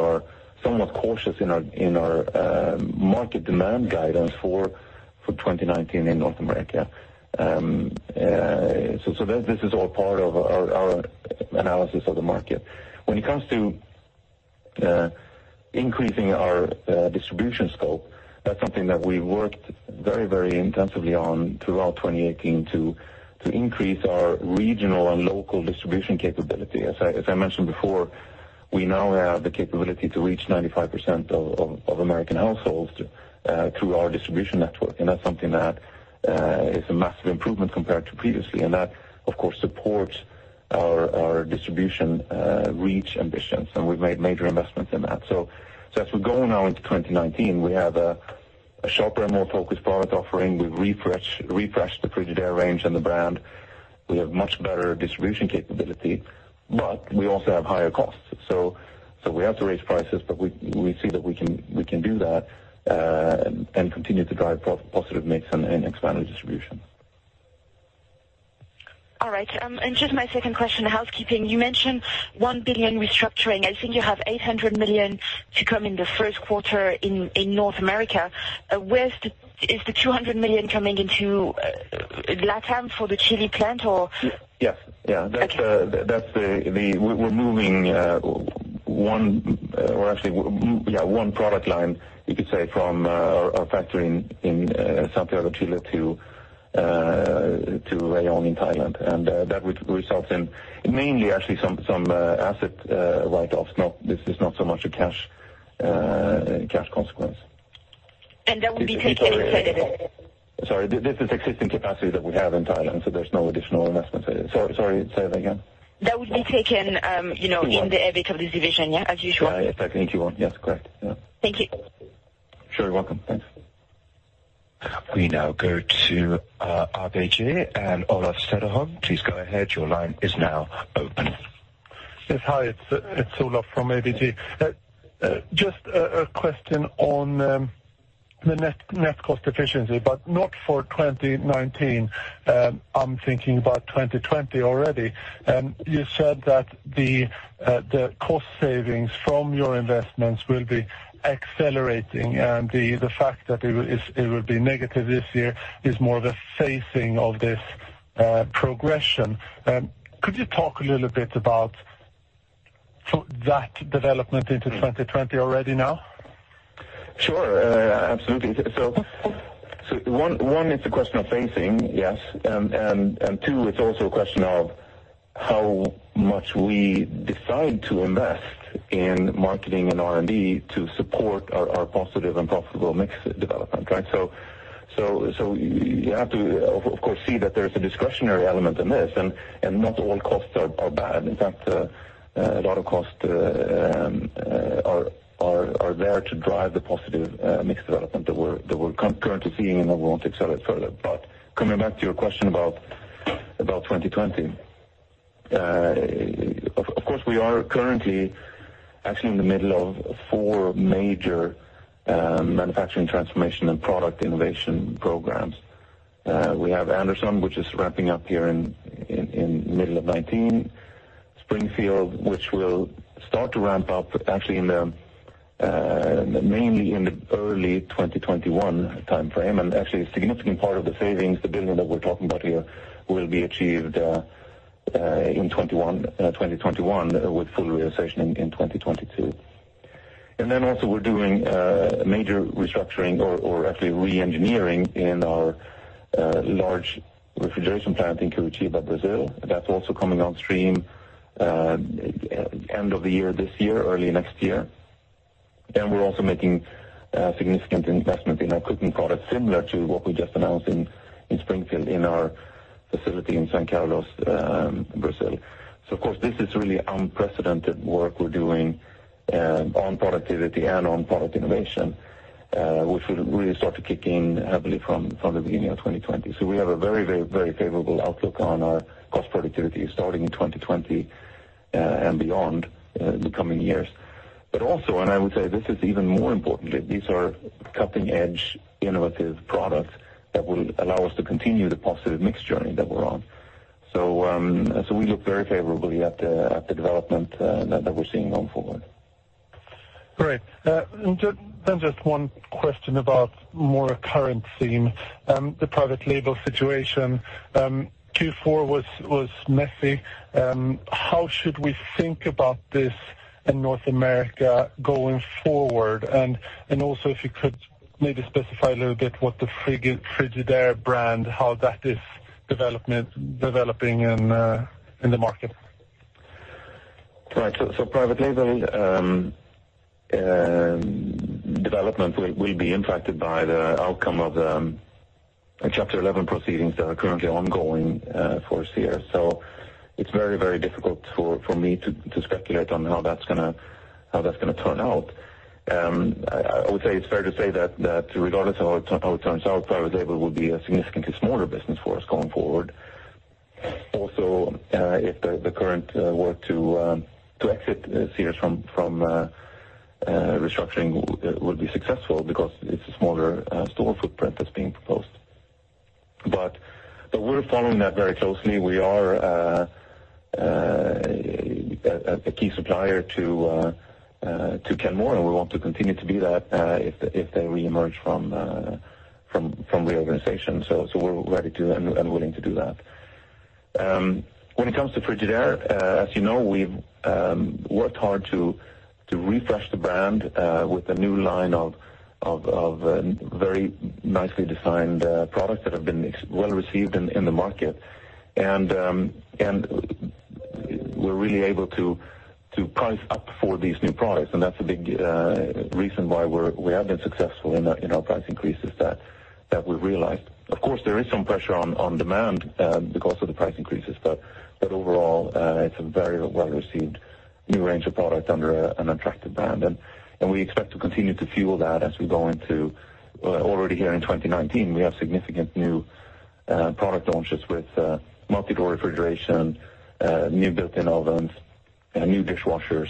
are somewhat cautious in our market demand guidance for 2019 in North America. This is all part of our analysis of the market. When it comes to increasing our distribution scope, that's something that we've worked very intensively on throughout 2018 to increase our regional and local distribution capability. As I mentioned before, we now have the capability to reach 95% of American households through our distribution network, and that's something that is a massive improvement compared to previously, and that, of course, supports our distribution reach ambitions, and we've made major investments in that. As we go now into 2019, we have a sharper and more focused product offering. We've refreshed the Frigidaire range and the brand. We have much better distribution capability, but we also have higher costs. We have to raise prices, but we see that we can do that, and continue to drive positive mix and expanded distribution. All right. Just my second question, housekeeping. You mentioned 1 billion restructuring. I think you have 800 million to come in Q1 in North America. Is the 200 million coming into LatAm for the Chile plant or? Yes. Okay. We're moving one product line, you could say, from our factory in Santiago, Chile, to Rayong in Thailand. That would result in mainly actually some asset write-offs. This is not so much a cash consequence. That would be taken inside of it? Sorry. This is existing capacity that we have in Thailand, there's no additional investment. Sorry, say that again. That would be taken in the EBIT of this division, yeah, as usual? If that's what you want. Yes, correct. Yeah. Thank you. Sure. You're welcome. Thanks. We now go to ABG and Olof Cederholm. Please go ahead. Your line is now open. Yes. Hi, it's Olof from ABG. Just a question on the net cost efficiency, but not for 2019. I'm thinking about 2020 already. You said that the cost savings from your investments will be accelerating, and the fact that it will be negative this year is more the phasing of this progression. Could you talk a little bit about that development into 2020 already now? Sure. Absolutely. One, it's a question of phasing, yes. Two, it's also a question of how much we decide to invest in marketing and R&D to support our positive and profitable mix development, right? You have to, of course, see that there's a discretionary element in this, and not all costs are bad. In fact, a lot of costs are there to drive the positive mix development that we're currently seeing, and that we want to accelerate further. Coming back to your question about 2020. Of course, we are currently actually in the middle of four major manufacturing transformation and product innovation programs. We have Anderson, which is ramping up here in middle of 2019. Springfield, which will start to ramp up actually mainly in the early 2021 timeframe. Actually, a significant part of the savings, the 1 billion that we're talking about here, will be achieved in 2021, with full realization in 2022. We're doing a major restructuring or actually re-engineering in our large refrigeration plant in Curitiba, Brazil. That's also coming on stream end of the year, this year, early next year. We're also making significant investment in our cooking products, similar to what we just announced in Springfield, in our facility in São Carlos, Brazil. Of course, this is really unprecedented work we're doing on productivity and on product innovation. Which will really start to kick in heavily from the beginning of 2020. We have a very favorable outlook on our cost productivity starting in 2020 and beyond the coming years. I would say this is even more importantly, these are cutting-edge innovative products that will allow us to continue the positive mix journey that we're on. We look very favorably at the development that we're seeing going forward. Great. Just one question about more a current theme, the private label situation. Q4 was messy. How should we think about this in North America going forward? If you could maybe specify a little bit what the Frigidaire brand, how that is developing in the market. Right. Private label development will be impacted by the outcome of the Chapter 11 proceedings that are currently ongoing for Sears. It's very difficult for me to speculate on how that's going to turn out. I would say, it's fair to say that regardless of how it turns out, private label will be a significantly smaller business for us going forward. Also, if the current were to exit Sears from restructuring would be successful because it's a smaller store footprint that's being proposed. We're following that very closely. We are a key supplier to Kenmore, and we want to continue to be that if they reemerge from reorganization. We're ready to and willing to do that. When it comes to Frigidaire, as you know, we've worked hard to refresh the brand with a new line of very nicely designed products that have been well received in the market. We're really able to price up for these new products, and that's a big reason why we have been successful in our price increases that we've realized. Of course, there is some pressure on demand because of the price increases. Overall, it's a very well-received new range of product under an attractive brand. We expect to continue to fuel that already here in 2019, we have significant new product launches with multi-door refrigeration, new built-in ovens, and new dishwashers.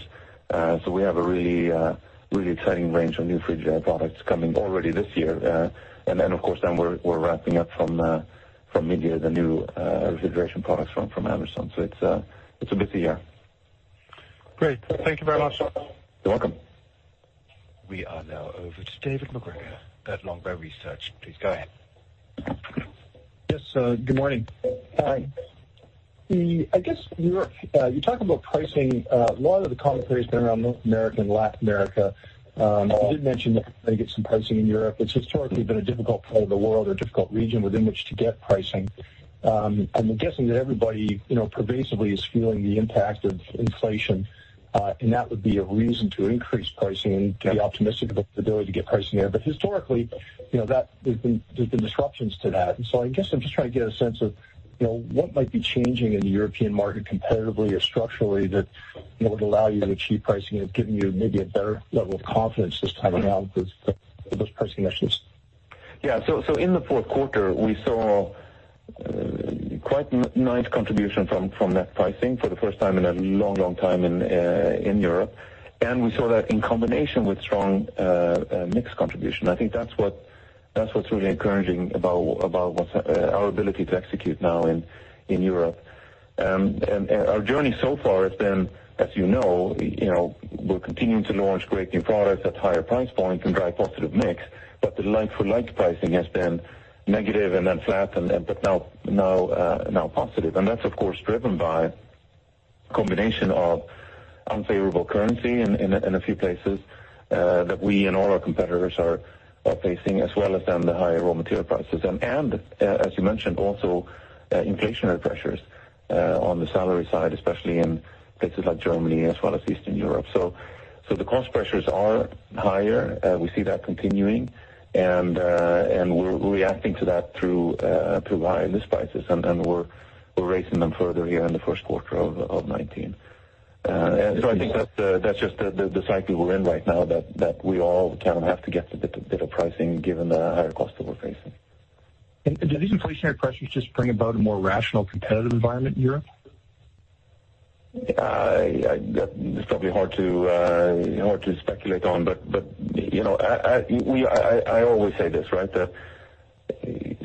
We have a really exciting range of new Frigidaire products coming already this year. Of course, we're wrapping up from EMEA, the new refrigeration products from Anderson. It's a busy year. Great. Thank you very much. You're welcome. We are now over to David MacGregor at Longbow Research. Please go ahead. Yes, good morning. I guess you talked about pricing. A lot of the commentary has been around North America and Latin America. You did mention that you get some pricing in Europe. It's historically been a difficult part of the world or difficult region within which to get pricing. I'm guessing that everybody pervasively is feeling the impact of inflation, and that would be a reason to increase pricing and to be optimistic about the ability to get pricing there. Historically, there's been disruptions to that. I guess I'm just trying to get a sense of what might be changing in the European market competitively or structurally that would allow you to achieve pricing and giving you maybe a better level of confidence this time around with those pricing actions. In Q4, we saw quite nice contribution from net pricing for the first time in a long time in Europe. We saw that in combination with strong mix contribution. I think that's what's really encouraging about our ability to execute now in Europe. Our journey so far has been, as you know, we're continuing to launch great new products at higher price points and drive positive mix, but the like-for-like pricing has been negative and then flat, but now positive. That's, of course, driven by a combination of unfavorable currency in a few places that we and all our competitors are facing, as well as then the higher raw material prices. As you mentioned, also inflationary pressures on the salary side, especially in places like Germany as well as Eastern Europe. The cost pressures are higher. We see that continuing, and we're reacting to that through higher list prices, and we're raising them further here in the Q1 of 2019. I think that's just the cycle we're in right now that we all kind of have to get a bit of pricing given the higher costs that we're facing. Do these inflationary pressures just bring about a more rational competitive environment in Europe? It's probably hard to speculate on, but I always say this, right? The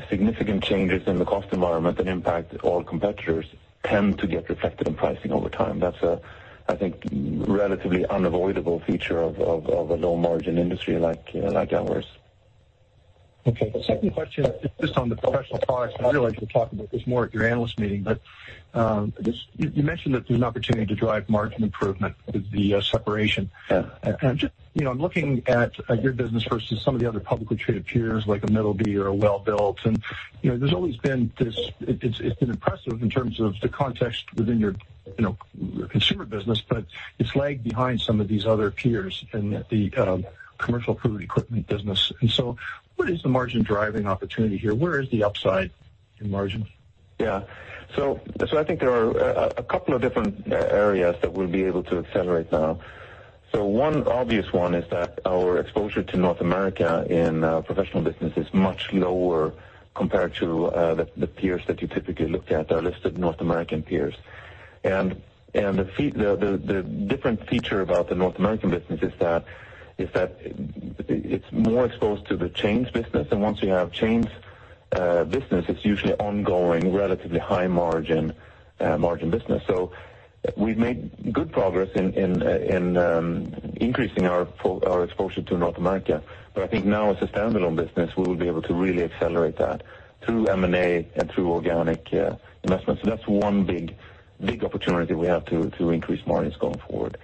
significant changes in the cost environment that impact all competitors tend to get reflected in pricing over time. That's a, I think, relatively unavoidable feature of a low-margin industry like ours. Okay. The second question is just on the Professional products. I realize you'll talk about this more at your analyst meeting, but you mentioned that there's an opportunity to drive margin improvement with the separation. Yeah. Just, I'm looking at your business versus some of the other publicly traded peers like a Middleby or a Welbilt. It's been impressive in terms of the context within your consumer business, but it's lagged behind some of these other peers in the commercial food equipment business. What is the margin-driving opportunity here? Where is the upside in margin? Yeah. I think there are a couple of different areas that we'll be able to accelerate now. One obvious one is that our exposure to North America in Professional business is much lower compared to the peers that you typically look at, our listed North American peers. The different feature about the North American business is that it's more exposed to the chains business. Once you have chains business, it's usually ongoing, relatively high-margin business. We've made good progress in increasing our exposure to North America. I think now as a standalone business, we will be able to really accelerate that through M&A and through organic investments. That's one big opportunity we have to increase margins going forward.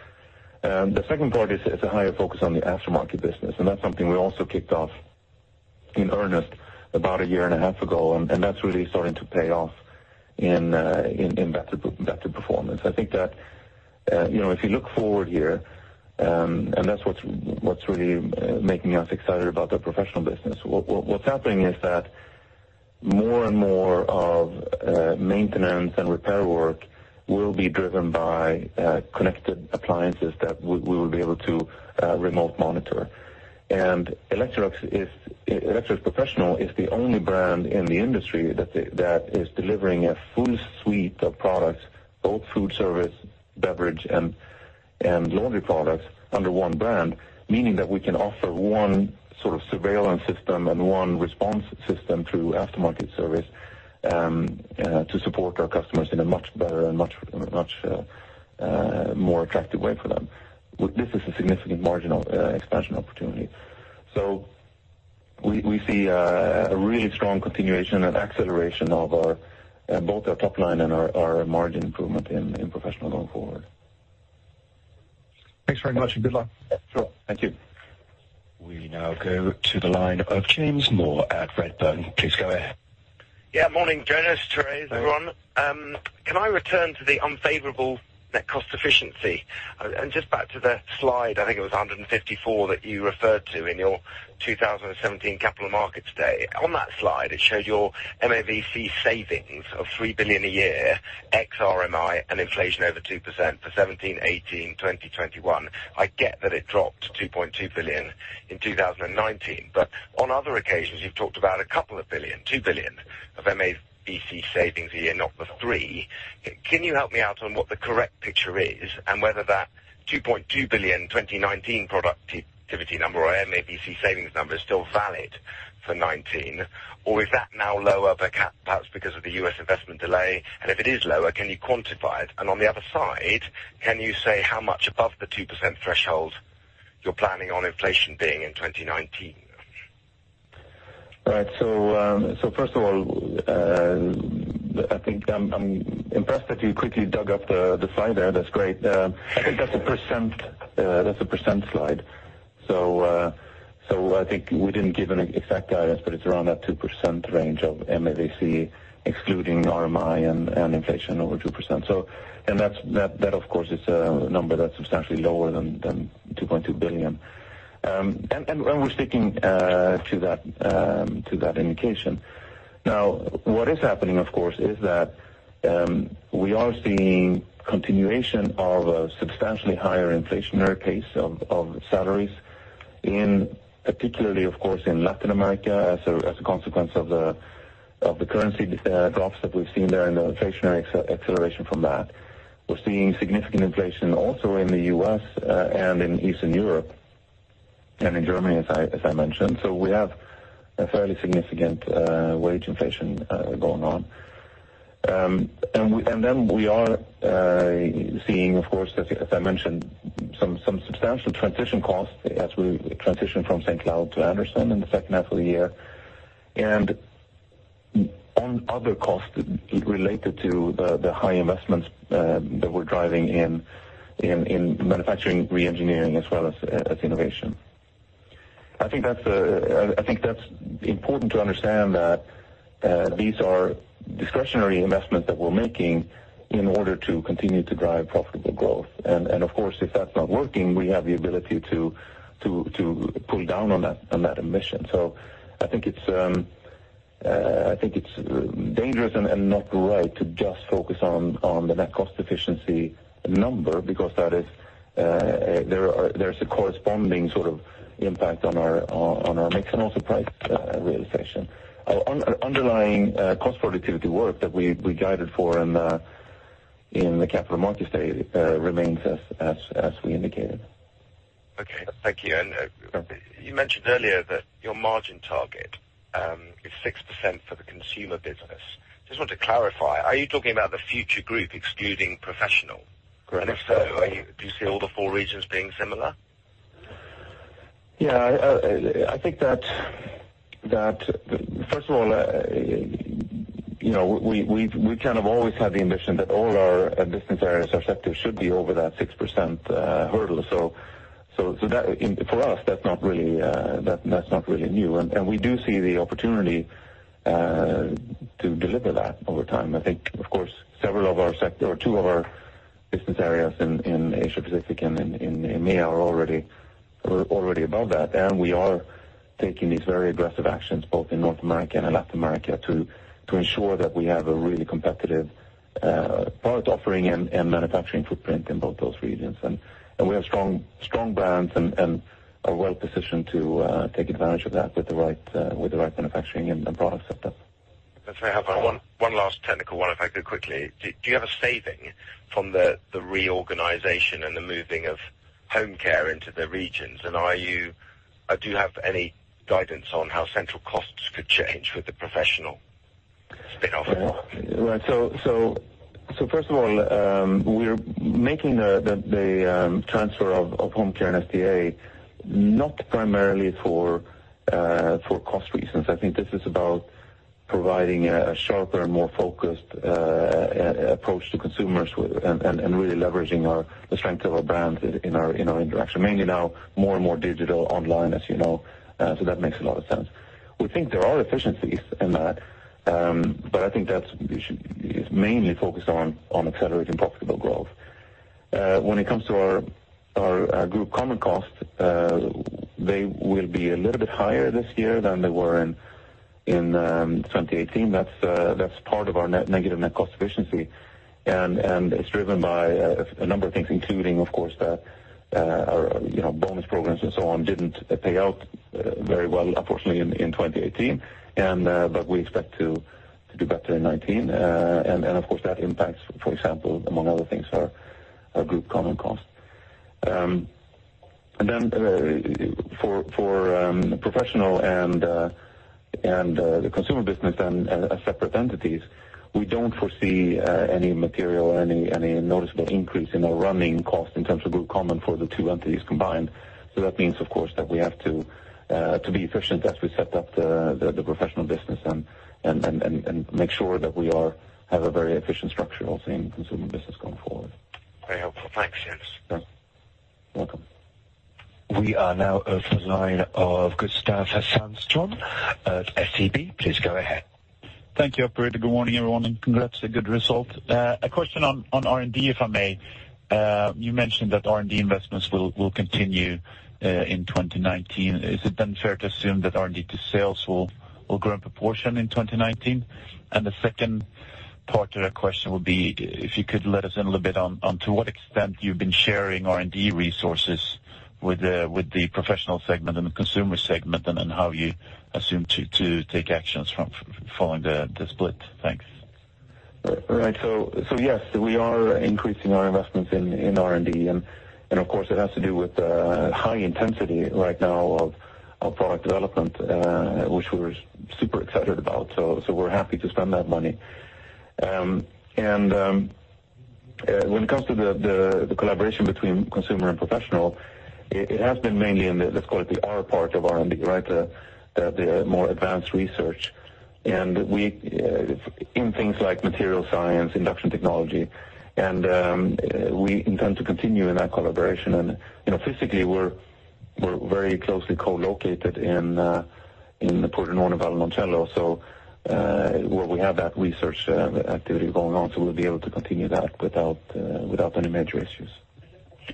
The second part is a higher focus on the aftermarket business, and that's something we also kicked off in earnest about a year and a half ago, and that's really starting to pay off in better performance. I think that if you look forward here, and that's what's really making us excited about the Professional business, what's happening is that more and more of maintenance and repair work will be driven by connected appliances that we will be able to remote monitor. Electrolux Professional is the only brand in the industry that is delivering a full suite of products, both food service, beverage, and laundry products under one brand, meaning that we can offer one sort of surveillance system and one response system through aftermarket service to support our customers in a much better and much more attractive way for them. This is a significant margin expansion opportunity. We see a really strong continuation and acceleration of both our top line and our margin improvement in Professional going forward. Thanks very much, and good luck. Sure. Thank you. We now go to the line of James Moore at Redburn. Please go ahead. Yeah. Morning, Jonas, Therese, Ron. Can I return to the unfavorable net cost efficiency? Just back to slide 154 that you referred to in your 2017 Capital Markets Day. On that slide, it showed your MAVC savings of 3 billion a year, ex RMI and inflation over 2% for 2017, 2018, 2021. I get that it dropped to 2.2 billion in 2019. On other occasions, you've talked about a couple of billion, 2 billion of MAVC savings a year, not the 3 billion. Can you help me out on what the correct picture is and whether that 2.2 billion 2019 productivity number or MAVC savings number is still valid for 2019? Is that now lower perhaps because of the U.S. investment delay? If it is lower, can you quantify it? On the other side, can you say how much above the 2% threshold you're planning on inflation being in 2019? First of all, I think I'm impressed that you quickly dug up the slide there. That's great. I think that's a percent slide. I think we didn't give an exact guidance. It's around that 2% range of MAVC, excluding RMI and inflation over 2%. That, of course, is a number that's substantially lower than 2.2 billion. We're sticking to that indication. What is happening, of course, is that we are seeing continuation of a substantially higher inflationary case of salaries in particular, of course, in Latin America as a consequence of the currency drops that we've seen there and the inflationary acceleration from that. We're seeing significant inflation also in the U.S. and in Eastern Europe and in Germany, as I mentioned. We have a fairly significant wage inflation going on. We are seeing, of course, as I mentioned, some substantial transition costs as we transition from St. Cloud to Anderson in the H2 of the year. On other costs related to the high investments that we're driving in manufacturing re-engineering as well as innovation. I think that's important to understand that these are discretionary investments that we're making in order to continue to drive profitable growth. Of course, if that's not working, we have the ability to pull down on that ambition. I think it's dangerous and not right to just focus on the net cost efficiency number, because there's a corresponding sort of impact on our mix and also price realization. Our underlying cost productivity work that we guided for in the Capital Markets Day remains as we indicated. Okay. Thank you. You mentioned earlier that your margin target is 6% for the consumer business. Just want to clarify, are you talking about the future group excluding Electrolux Professional? Correct. If so, do you see all the four regions being similar? Yeah, I think that first of all, we kind of always had the ambition that all our business areas or sectors should be over that 6% hurdle. For us, that's not really new. We do see the opportunity to deliver that over time. I think, of course, several of our sector or two of our business areas in Asia Pacific and in EMEA are already above that. We are taking these very aggressive actions both in North America and in Latin America to ensure that we have a really competitive product offering and manufacturing footprint in both those regions. We have strong brands and are well-positioned to take advantage of that with the right manufacturing and product setup. That's very helpful. One last technical one if I could quickly. Do you have a saving from the reorganization and the moving of Home Care into the regions? Do you have any guidance on how central costs could change with the Electrolux Professional spin-off? First of all, we're making the transfer of Home Care and SDA not primarily for cost reasons. I think this is about providing a sharper, more focused approach to consumers and really leveraging the strength of our brands in our interaction. Mainly now more and more digital online, as you know. That makes a lot of sense. We think there are efficiencies in that, but I think that is mainly focused on accelerating profitable growth. When it comes to our group common cost, they will be a little bit higher this year than they were in 2018. That's part of our negative net cost efficiency, and it's driven by a number of things, including, of course, our bonus programs and so on didn't pay out very well, unfortunately, in 2018. We expect to do better in 2019. Of course, that impacts, for example, among other things, our group common cost. For Electrolux Professional and the consumer business as separate entities, we don't foresee any material or any noticeable increase in our running cost in terms of group common for the two entities combined. That means, of course, that we have to be efficient as we set up the Electrolux Professional business and make sure that we have a very efficient structure also in consumer business going forward. Very helpful. Thanks, Jonas. Sure. Welcome. We are now open the line of Gustav Sandström of SEB. Please go ahead. Thank you, operator. Good morning, everyone. Congrats, a good result. A question on R&D, if I may. You mentioned that R&D investments will continue in 2019. Is it then fair to assume that R&D to sales will grow in proportion in 2019? The second part to that question would be, if you could let us in a little bit on to what extent you've been sharing R&D resources with the Professional segment and the consumer segment, and then how you assume to take actions following the split. Thanks. Right. Yes, we are increasing our investments in R&D, and of course, it has to do with the high intensity right now of product development, which we're super excited about. We're happy to spend that money. When it comes to the collaboration between consumer and Professional, it has been mainly in the, let's call it the R part of R&D, right? The more advanced research. In things like material science, induction technology. We intend to continue in that collaboration. Physically, we're very closely co-located in Pordenone and Noncello, where we have that research activity going on. We'll be able to continue that without any major issues.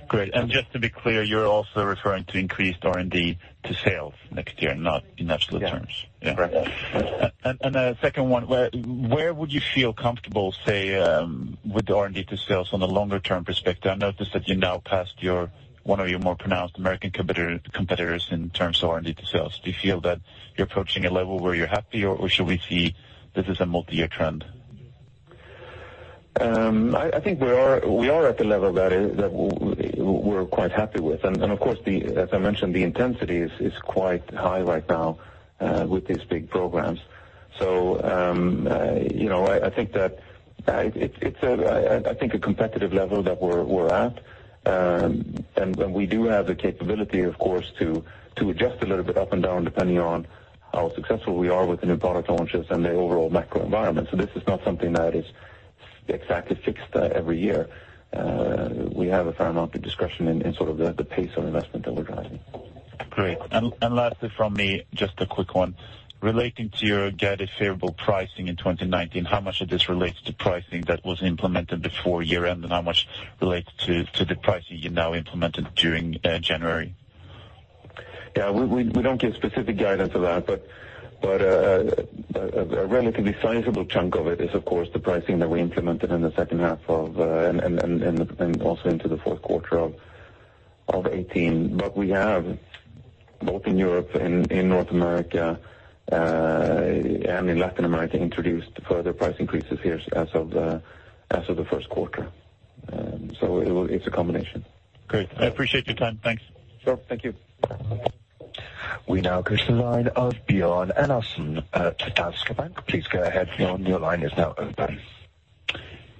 Great. Just to be clear, you're also referring to increased R&D to sales next year, not in absolute terms? Yeah. Correct. The second one, where would you feel comfortable, say, with the R&D to sales on a longer-term perspective? I noticed that you now passed one of your more pronounced American competitors in terms of R&D to sales. Do you feel that you're approaching a level where you're happy, or should we see this as a multi-year trend? I think we are at a level that we're quite happy with. Of course, as I mentioned, the intensity is quite high right now with these big programs. I think that it's a competitive level that we're at. We do have the capability, of course, to adjust a little bit up and down, depending on how successful we are with the new product launches and the overall macro environment. This is not something that is exactly fixed every year. We have a fair amount of discretion in sort of the pace of investment that we're driving. Great. Lastly from me, just a quick one. Relating to your guided favorable pricing in 2019, how much of this relates to pricing that was implemented before year-end, and how much relates to the pricing you now implemented during January? We don't give specific guidance on that, a relatively sizable chunk of it is, of course, the pricing that we implemented in the H2 and also into the Q4 of 2018. We have, both in Europe and in North America and in Latin America, introduced further price increases here as of Q1. It's a combination. Great. I appreciate your time. Thanks. Sure. Thank you. We now go to the line of Björn Enarson at Danske Bank. Please go ahead, Björn, your line is now open.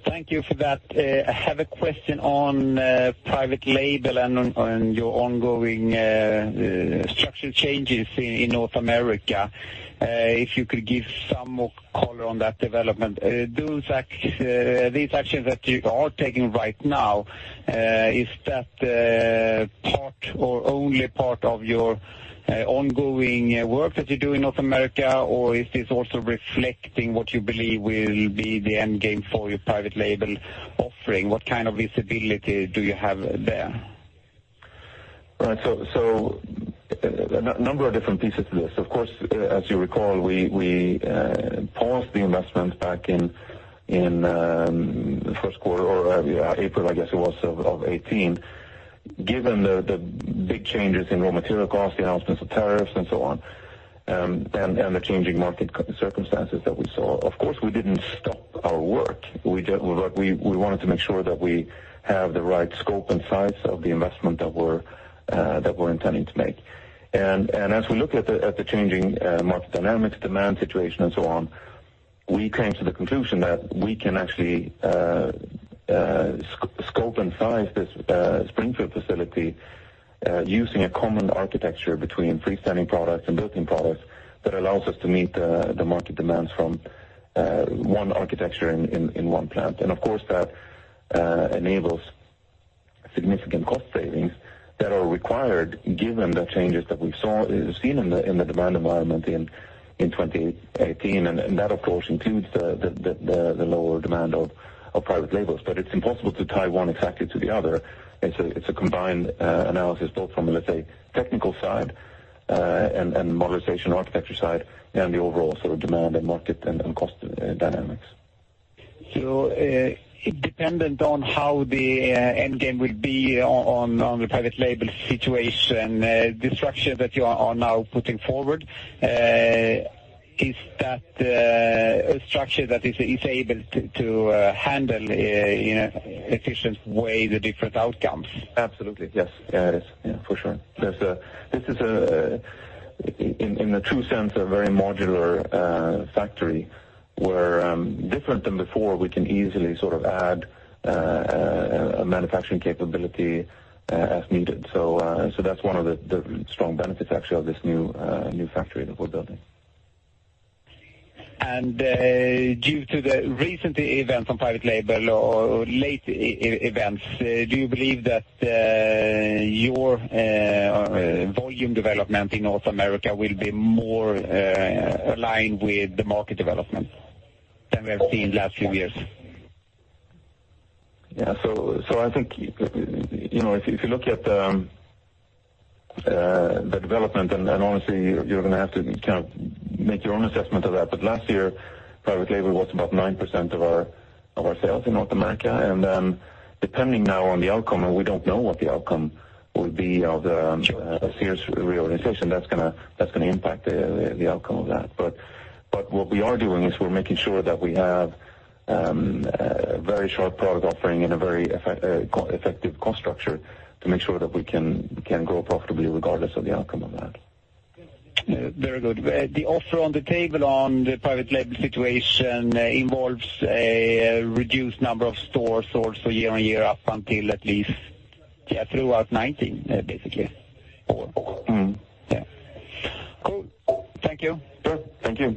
Thank you for that. I have a question on private label and on your ongoing structural changes in North America. If you could give some more color on that development. These actions that you are taking right now, is that part or only part of your ongoing work that you do in North America, or is this also reflecting what you believe will be the end game for your private label offering? What kind of visibility do you have there? Right. A number of different pieces to this. Of course, as you recall, we paused the investment back in Q1 or April, I guess it was, of 2018. Given the big changes in raw material costs, the announcements of tariffs, and so on, and the changing market circumstances that we saw. Of course, we didn't stop our work. We wanted to make sure that we have the right scope and size of the investment that we're intending to make. As we look at the changing market dynamics, demand situation, and so on, we came to the conclusion that we can actually scope and size this Springfield facility using a common architecture between freestanding products and built-in products that allows us to meet the market demands from one architecture in one plant. Of course, that enables significant cost savings that are required given the changes that we've seen in the demand environment in 2018. That, of course, includes the lower demand of private labels. It's impossible to tie one exactly to the other. It's a combined analysis, both from, let's say, technical side and modularization architecture side, and the overall sort of demand and market and cost dynamics. Dependent on how the end game will be on the private label situation, the structure that you are now putting forward, is that a structure that is able to handle in an efficient way the different outcomes? Absolutely. Yes. For sure. This is, in a true sense, a very modular factory, where different than before, we can easily add a manufacturing capability as needed. That's one of the strong benefits, actually, of this new factory that we're building. Due to the recent events on private label or late events, do you believe that your volume development in North America will be more aligned with the market development than we have seen last few years? Yeah. I think, if you look at the development, and honestly, you're going to have to kind of make your own assessment of that, but last year, private label was about 9% of our sales in North America. Depending now on the outcome, and we don't know what the outcome will be of the Sears reorganization. That's going to impact the outcome of that. What we are doing is we're making sure that we have a very sharp product offering and a very effective cost structure to make sure that we can grow profitably regardless of the outcome of that. Very good. The offer on the table on the private label situation involves a reduced number of stores also year-on-year up until at least throughout 2019, basically. Yeah. Cool. Thank you. Sure. Thank you.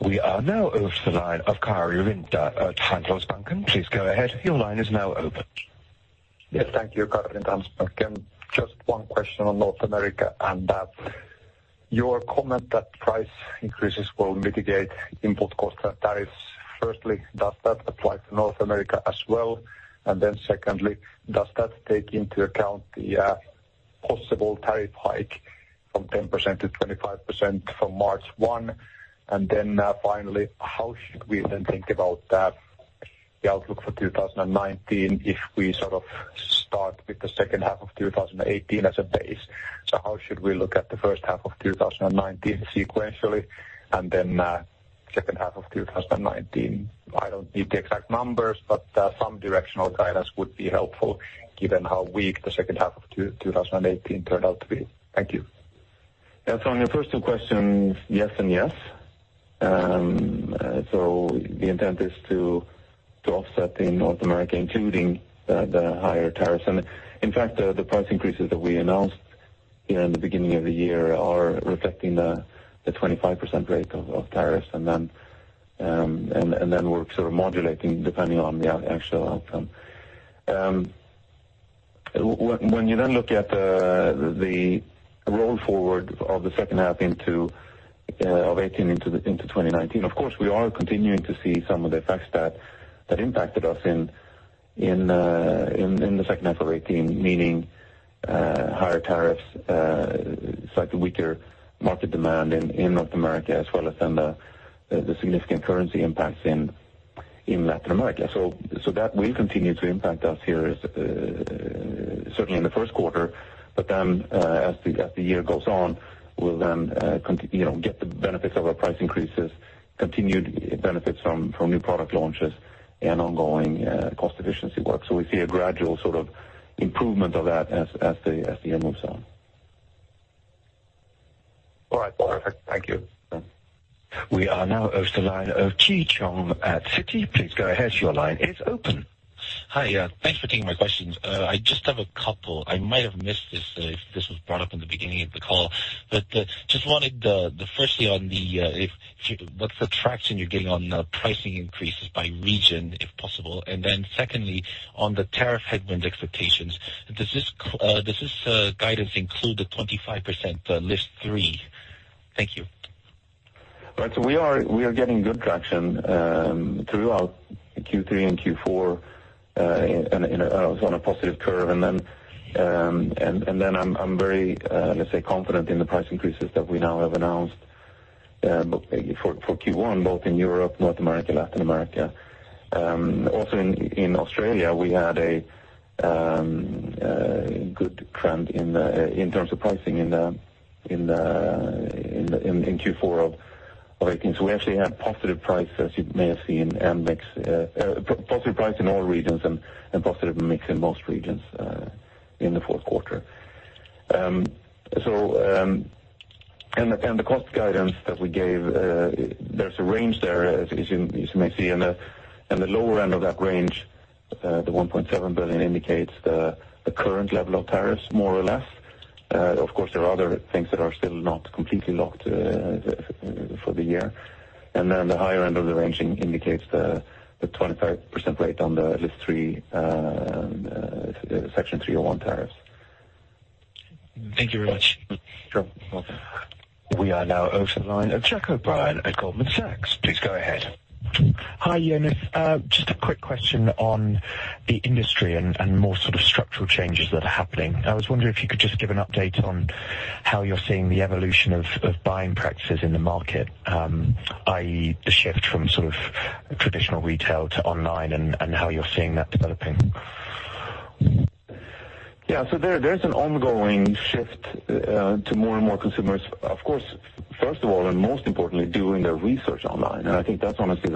We are now over to the line of Karri Rinta at Handelsbanken. Please go ahead. Your line is now open. Yes. Thank you. Karri Rinta, Handelsbanken. Just one question on North America, that your comment that price increases will mitigate input cost and tariffs. Firstly, does that apply to North America as well? Secondly, does that take into account the possible tariff hike from 10% to 25% from March 1? Finally, how should we then think about the outlook for 2019 if we sort of start with the H2 of 2018 as a base? How should we look at the first half of 2019 sequentially, then H2 of 2019? I don't need the exact numbers, but some directional guidance would be helpful given how weak the H2 of 2018 turned out to be. Thank you. Yeah. On your first two questions, yes and yes. The intent is to offset in North America, including the higher tariffs. In fact, the price increases that we announced in the beginning of the year are reflecting the 25% rate of tariffs. We're sort of modulating depending on the actual outcome. When you then look at the roll forward of the H2 of 2018 into 2019, of course, we are continuing to see some of the effects that impacted us in the H2 of 2018, meaning higher tariffs, slightly weaker market demand in North America, as well as the significant currency impacts in Latin America. That will continue to impact us here, certainly in Q1, but as the year goes on, we'll then get the benefits of our price increases, continued benefits from new product launches, and ongoing cost efficiency work. We see a gradual sort of improvement of that as the year moves on. All right. Perfect. Thank you. Sure. We are now over to the line of Ji Cheong at Citi. Please go ahead. Your line is open. Hi. Thanks for taking my questions. I just have a couple. I might have missed this if this was brought up in the beginning of the call. Just wanted the firstly on the, what's the traction you're getting on pricing increases by region, if possible? Secondly, on the tariff headwind expectations, does this guidance include the 25% List Three? Thank you. Right. We are getting good traction throughout Q3 and Q4, I was on a positive curve. Then I'm very, let's say, confident in the price increases that we now have announced for Q1, both in Europe, North America, Latin America. Also in Australia, we had a good trend in terms of pricing in Q4 of 2018. We actually had positive price, as you may have seen, positive price in all regions and positive mix in most regions in Q4. The cost guidance that we gave, there's a range there, as you may see. The lower end of that range, the 1.7 billion indicates the current level of tariffs, more or less. Of course, there are other things that are still not completely locked for the year. The higher end of the range indicates the 25% rate on the List Three, Section 301 tariffs. Thank you very much. Sure. Welcome. We are now over to the line of Jack O'Brien at Goldman Sachs. Please go ahead. Hi, Jonas. Just a quick question on the industry and more sort of structural changes that are happening. I was wondering if you could just give an update on how you're seeing the evolution of buying practices in the market, i.e., the shift from sort of traditional retail to online and how you're seeing that developing. There's an ongoing shift to more and more consumers, of course, first of all, and most importantly, doing their research online. I think that's honestly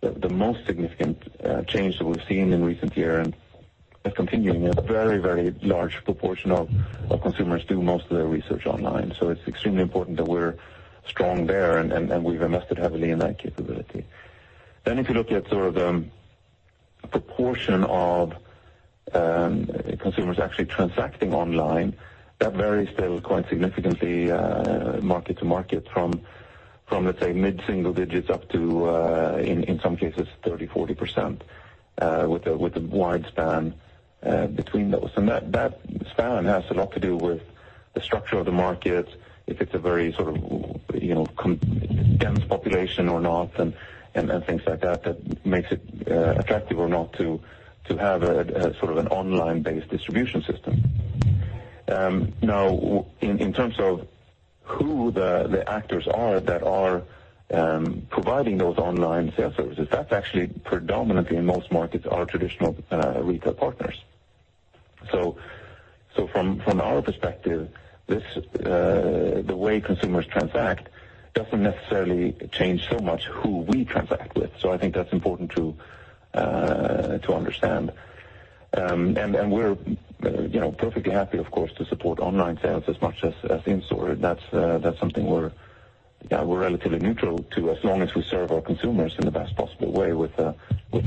the most significant change that we've seen in recent year, and it's continuing. A very large proportion of consumers do most of their research online. It's extremely important that we're strong there, and we've invested heavily in that capability. If you look at sort of the proportion of consumers actually transacting online, that varies still quite significantly market to market from, let's say, mid-single digits up to, in some cases, 30%-40%, with a wide span between those. That span has a lot to do with the structure of the market, if it's a very sort of dense population or not, and things like that makes it attractive or not to have a sort of an online-based distribution system. In terms of who the actors are that are providing those online sales services, that's actually predominantly, in most markets, our traditional retail partners. From our perspective, the way consumers transact doesn't necessarily change so much who we transact with. I think that's important to understand. We're perfectly happy, of course, to support online sales as much as in-store. That's something we're relatively neutral to, as long as we serve our consumers in the best possible way with a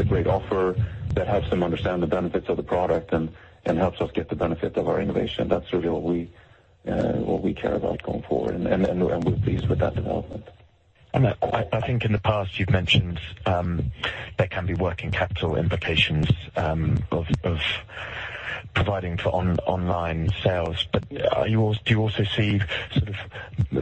great offer that helps them understand the benefits of the product and helps us get the benefit of our innovation. That's really what we care about going forward, and we're pleased with that development. I think in the past you've mentioned there can be working capital implications of providing for online sales. Do you also see sort of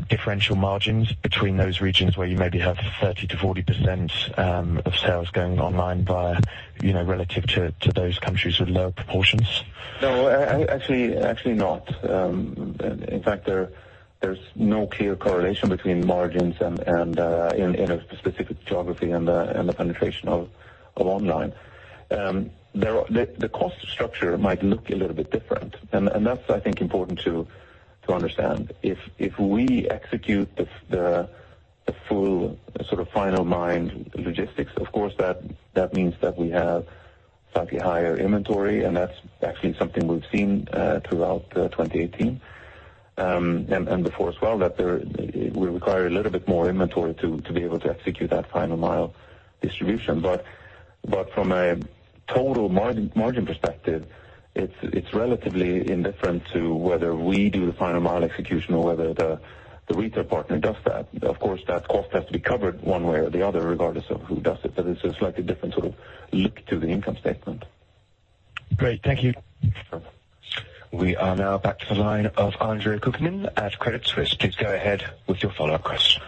differential margins between those regions where you maybe have 30%-40% of sales going online via relative to those countries with lower proportions? No, actually not. In fact, there's no clear correlation between margins in a specific geography and the penetration of online. The cost structure might look a little bit different, and that's, I think, important to understand. If we execute the full sort of final mile logistics, of course, that means that we have slightly higher inventory, and that's actually something we've seen throughout 2018, and before as well, that it will require a little bit more inventory to be able to execute that final mile distribution. From a total margin perspective, it's relatively indifferent to whether we do the final mile execution or whether the retail partner does that. Of course, that cost has to be covered one way or the other, regardless of who does it. It's a slightly different sort of look to the income statement. Great. Thank you. Sure. We are now back to the line of Andre Kukhnin at Credit Suisse. Please go ahead with your follow-up question.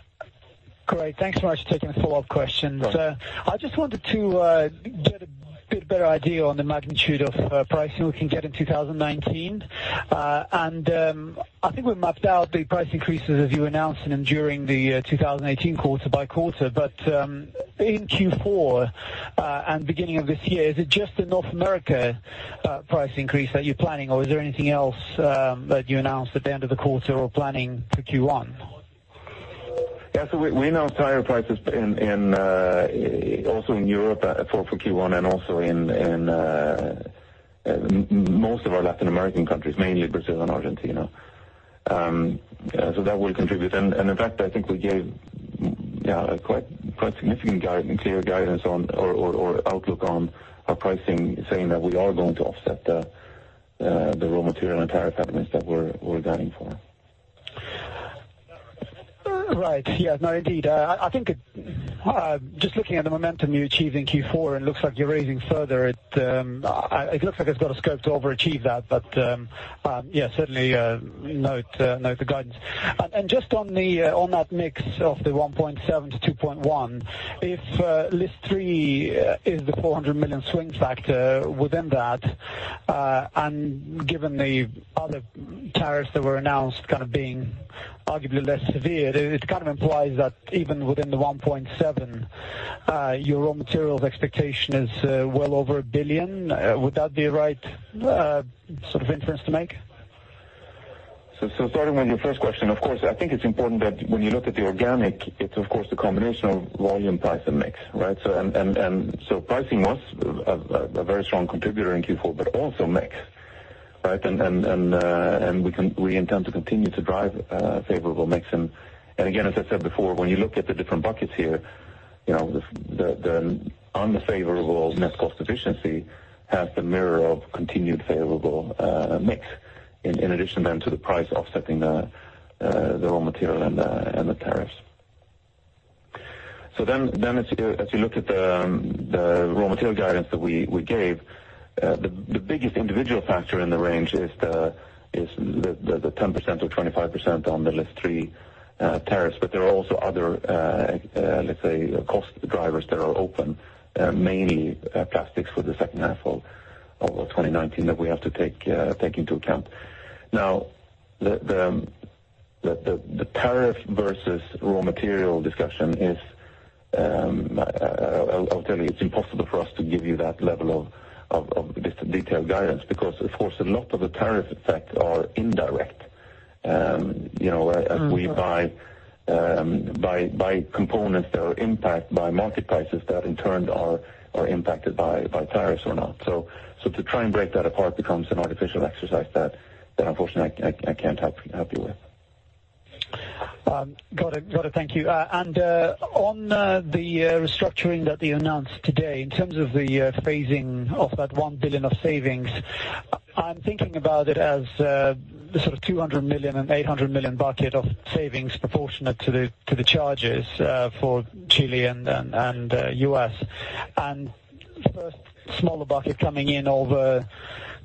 Great. Thanks so much for taking a follow-up question. Sure. I just wanted to get a bit better idea on the magnitude of pricing we can get in 2019. I think we've mapped out the price increases as you announced them during the 2018 quarter by quarter. In Q4 and beginning of this year, is it just the North America price increase that you're planning, or is there anything else that you announced at the end of the quarter or planning for Q1? Yeah. We announced higher prices also in Europe for Q1 and also in most of our Latin American countries, mainly Brazil and Argentina. That will contribute. In fact, I think we gave a quite significant clear guidance or outlook on our pricing, saying that we are going to offset the raw material and tariff elements that we're guiding for. Right. Yes. Indeed. Just looking at the momentum you achieved in Q4, and it looks like you're raising further, it looks like it's got a scope to overachieve that. Certainly note the guidance. Just on that mix of the 1.7 billion-2.1 billion, if List Three is the 400 million swing factor within that, and given the other tariffs that were announced being arguably less severe, it kind of implies that even within the 1.7 billion, your raw materials expectation is well over 1 billion. Would that be the right sort of inference to make? Starting with your first question, of course, I think it's important that when you look at the organic, it's of course the combination of volume, price, and mix. Pricing was a very strong contributor in Q4, but also mix. We intend to continue to drive favorable mix. Again, as I said before, when you look at the different buckets here, the unfavorable net cost efficiency has the mirror of continued favorable mix in addition to the price offsetting the raw material and the tariffs. As you look at the raw material guidance that we gave, the biggest individual factor in the range is the 10%-25% on the List Three tariffs. There are also other, let's say, cost drivers that are open, mainly plastics for the H2 of 2019 that we have to take into account. The tariff versus raw material discussion is, I'll tell you, it's impossible for us to give you that level of detailed guidance because, of course, a lot of the tariff effects are indirect. As we buy components that are impacted by market prices that in turn are impacted by tariffs or not. To try and break that apart becomes an artificial exercise that unfortunately I can't help you with. Got it. Thank you. On the restructuring that you announced today, in terms of the phasing of that 1 billion of savings, I'm thinking about it as the sort of 200 million and 800 million bucket of savings proportionate to the charges for Chile and U.S. First, smaller bucket coming in over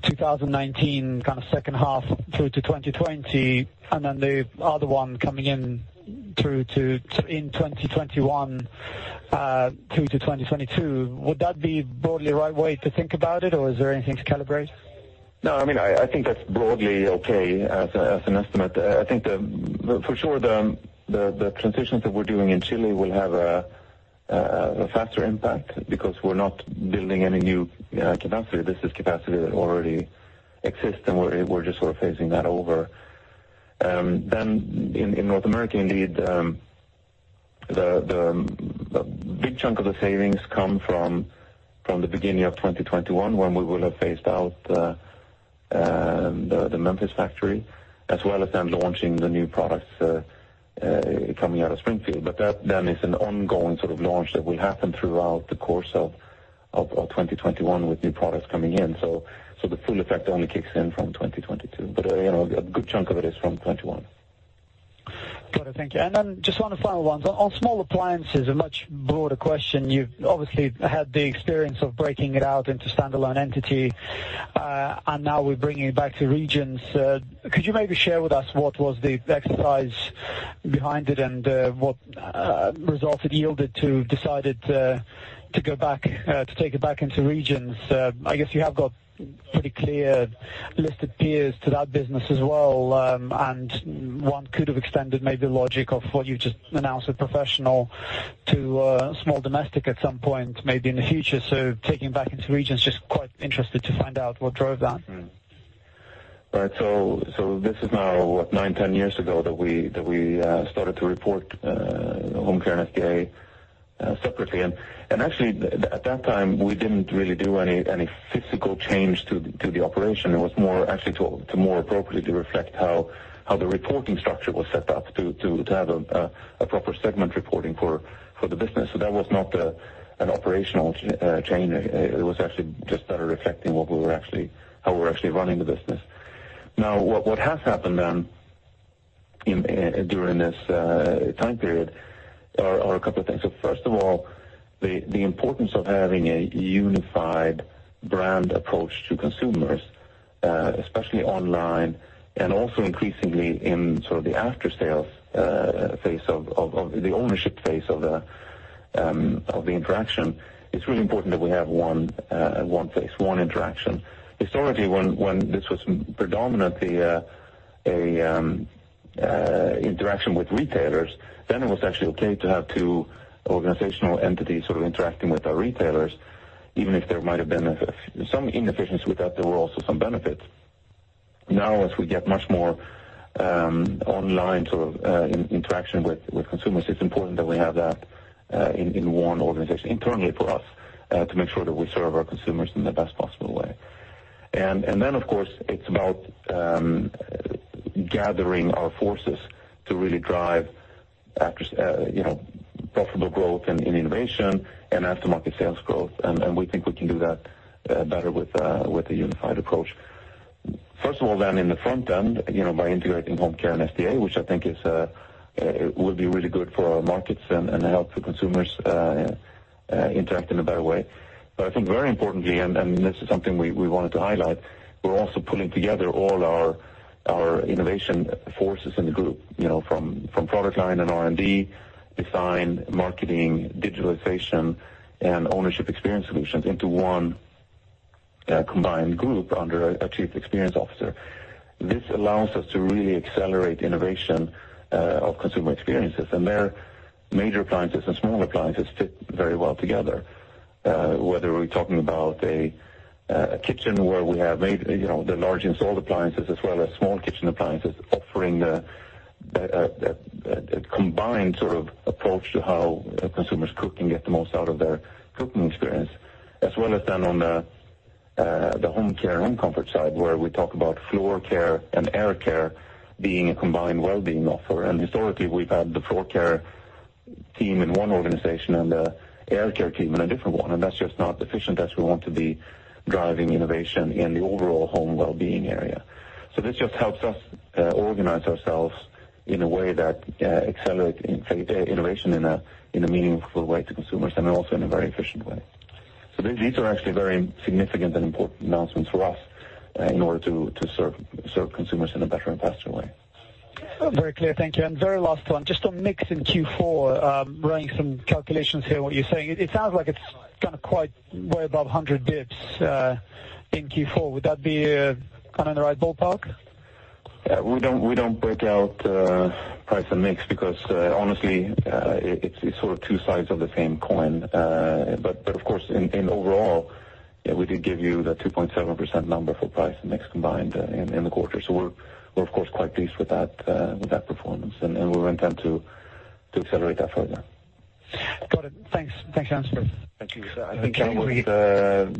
2019, kind of H2 through to 2020, then the other one coming in through to in 2021, through to 2022. Would that be broadly the right way to think about it, or is there anything to calibrate? I think that's broadly okay as an estimate. I think for sure the transitions that we're doing in Chile will have a faster impact because we're not building any new capacity. This is capacity that already exists, and we're just sort of phasing that over. In North America, indeed, the big chunk of the savings come from the beginning of 2021, when we will have phased out the Memphis factory, as well as then launching the new products coming out of Springfield. That then is an ongoing sort of launch that will happen throughout the course of 2021 with new products coming in. The full effect only kicks in from 2022, but a good chunk of it is from 2021. Got it. Thank you. Then just one final one. On Small Domestic Appliances, a much broader question. You've obviously had the experience of breaking it out into standalone entity, and now we're bringing it back to regions. Could you maybe share with us what was the exercise behind it and what results it yielded to decided to take it back into regions? I guess you have got pretty clear listed peers to that business as well, and one could have extended maybe the logic of what you just announced with Electrolux Professional to Small Domestic Appliances at some point, maybe in the future. Taking back into regions, just quite interested to find out what drove that. Right. This is now, what, nine, 10 years ago that we started to report Home Care and SDA separately. Actually, at that time, we didn't really do any physical change to the operation. It was more actually to more appropriately to reflect how the reporting structure was set up to have a proper segment reporting for the business. That was not an operational change. It was actually just better reflecting how we're actually running the business. What has happened then during this time period are a couple of things. First of all, the importance of having a unified brand approach to consumers, especially online and also increasingly in sort of the after sales phase of the ownership phase of the interaction. It's really important that we have one phase, one interaction. Historically, when this was predominantly an interaction with retailers, it was actually okay to have two organizational entities sort of interacting with our retailers, even if there might have been some inefficiency with that, there were also some benefits. As we get much more online sort of interaction with consumers, it's important that we have that in one organization internally for us, to make sure that we serve our consumers in the best possible way. Then, of course, it's about gathering our forces to really drive profitable growth in innovation and aftermarket sales growth. We think we can do that better with a unified approach. First of all, then in the front end, by integrating Home Care and SDA, which I think will be really good for our markets and help the consumers interact in a better way. I think very importantly, and this is something we wanted to highlight, we're also pulling together all our innovation forces in the group, from product line and R&D, design, marketing, digitalization, and ownership experience solutions into one combined group under a chief experience officer. This allows us to really accelerate innovation of consumer experiences, and there, major appliances and small appliances fit very well together. Whether we're talking about a kitchen where we have the large installed appliances as well as small kitchen appliances offering a combined sort of approach to how consumers cook and get the most out of their cooking experience, as well as then on the Home Care and comfort side, where we talk about floor care and air care being a combined well-being offer. Historically, we've had the floor care team in one organization and the air care team in a different one, and that's just not efficient as we want to be driving innovation in the overall home well-being area. This just helps us organize ourselves in a way that accelerates innovation in a meaningful way to consumers and also in a very efficient way. These are actually very significant and important announcements for us in order to serve consumers in a better and faster way. Very clear. Thank you. Very last one, just on mix in Q4, running some calculations here, what you're saying, it sounds like it's kind of quite way above 100 basis points in Q4. Would that be kind of in the right ballpark? We don't break out price and mix because, honestly, it's sort of two sides of the same coin. Of course, in overall, we did give you the 2.7% number for price and mix combined in the quarter. We're of course, quite pleased with that performance, and we intend to accelerate that further. Got it. Thanks. Thanks for the answer. Thank you. I think that was.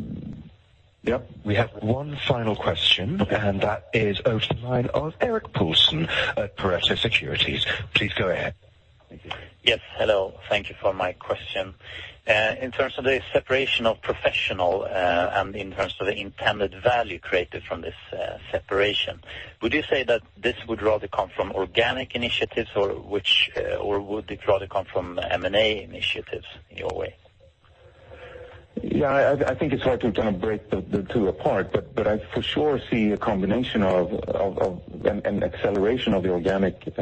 Yep. We have one final question, and that is over to the line of Erik Paulsson at Pareto Securities. Please go ahead. Thank you. Yes. Hello. Thank you for my question. In terms of the separation of Professional, and in terms of the intended value created from this separation, would you say that this would rather come from organic initiatives, or would it rather come from M&A initiatives in your way? I think it's hard to kind of break the two apart, but I for sure see a combination of an acceleration of the organic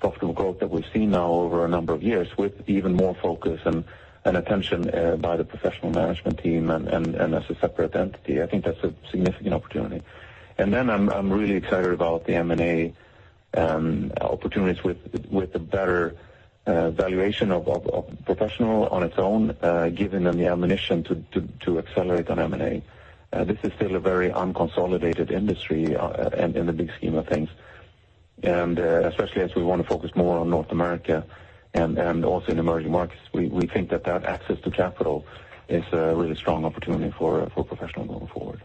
profitable growth that we've seen now over a number of years with even more focus and attention by the Professional management team and as a separate entity. I think that's a significant opportunity. Then I'm really excited about the M&A opportunities with the better valuation of Professional on its own, giving them the ammunition to accelerate on M&A. This is still a very unconsolidated industry in the big scheme of things. Especially as we want to focus more on North America and also in emerging markets, we think that that access to capital is a really strong opportunity for Professional going forward.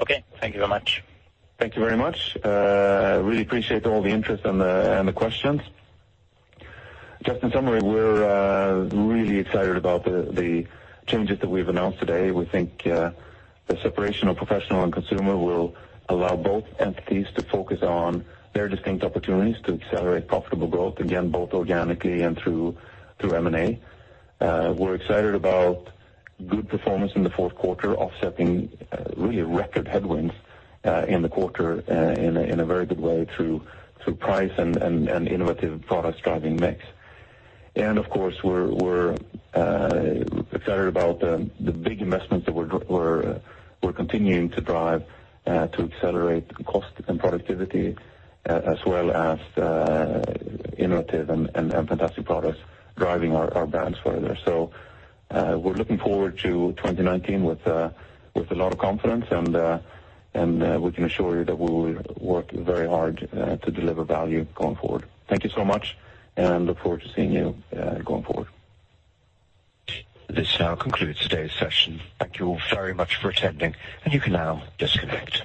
Okay. Thank you very much. Thank you very much. Really appreciate all the interest and the questions. Just in summary, we're really excited about the changes that we've announced today. We think the separation of Professional and consumer will allow both entities to focus on their distinct opportunities to accelerate profitable growth, again, both organically and through M&A. We're excited about good performance in Q4, offsetting really record headwinds in the quarter in a very good way through price and innovative products driving mix. Of course, we're excited about the big investments that we're continuing to drive to accelerate cost and productivity as well as innovative and fantastic products driving our brands further. We're looking forward to 2019 with a lot of confidence, and we can assure you that we will work very hard to deliver value going forward. Thank you so much, and look forward to seeing you going forward. This now concludes today's session. Thank you all very much for attending, and you can now disconnect.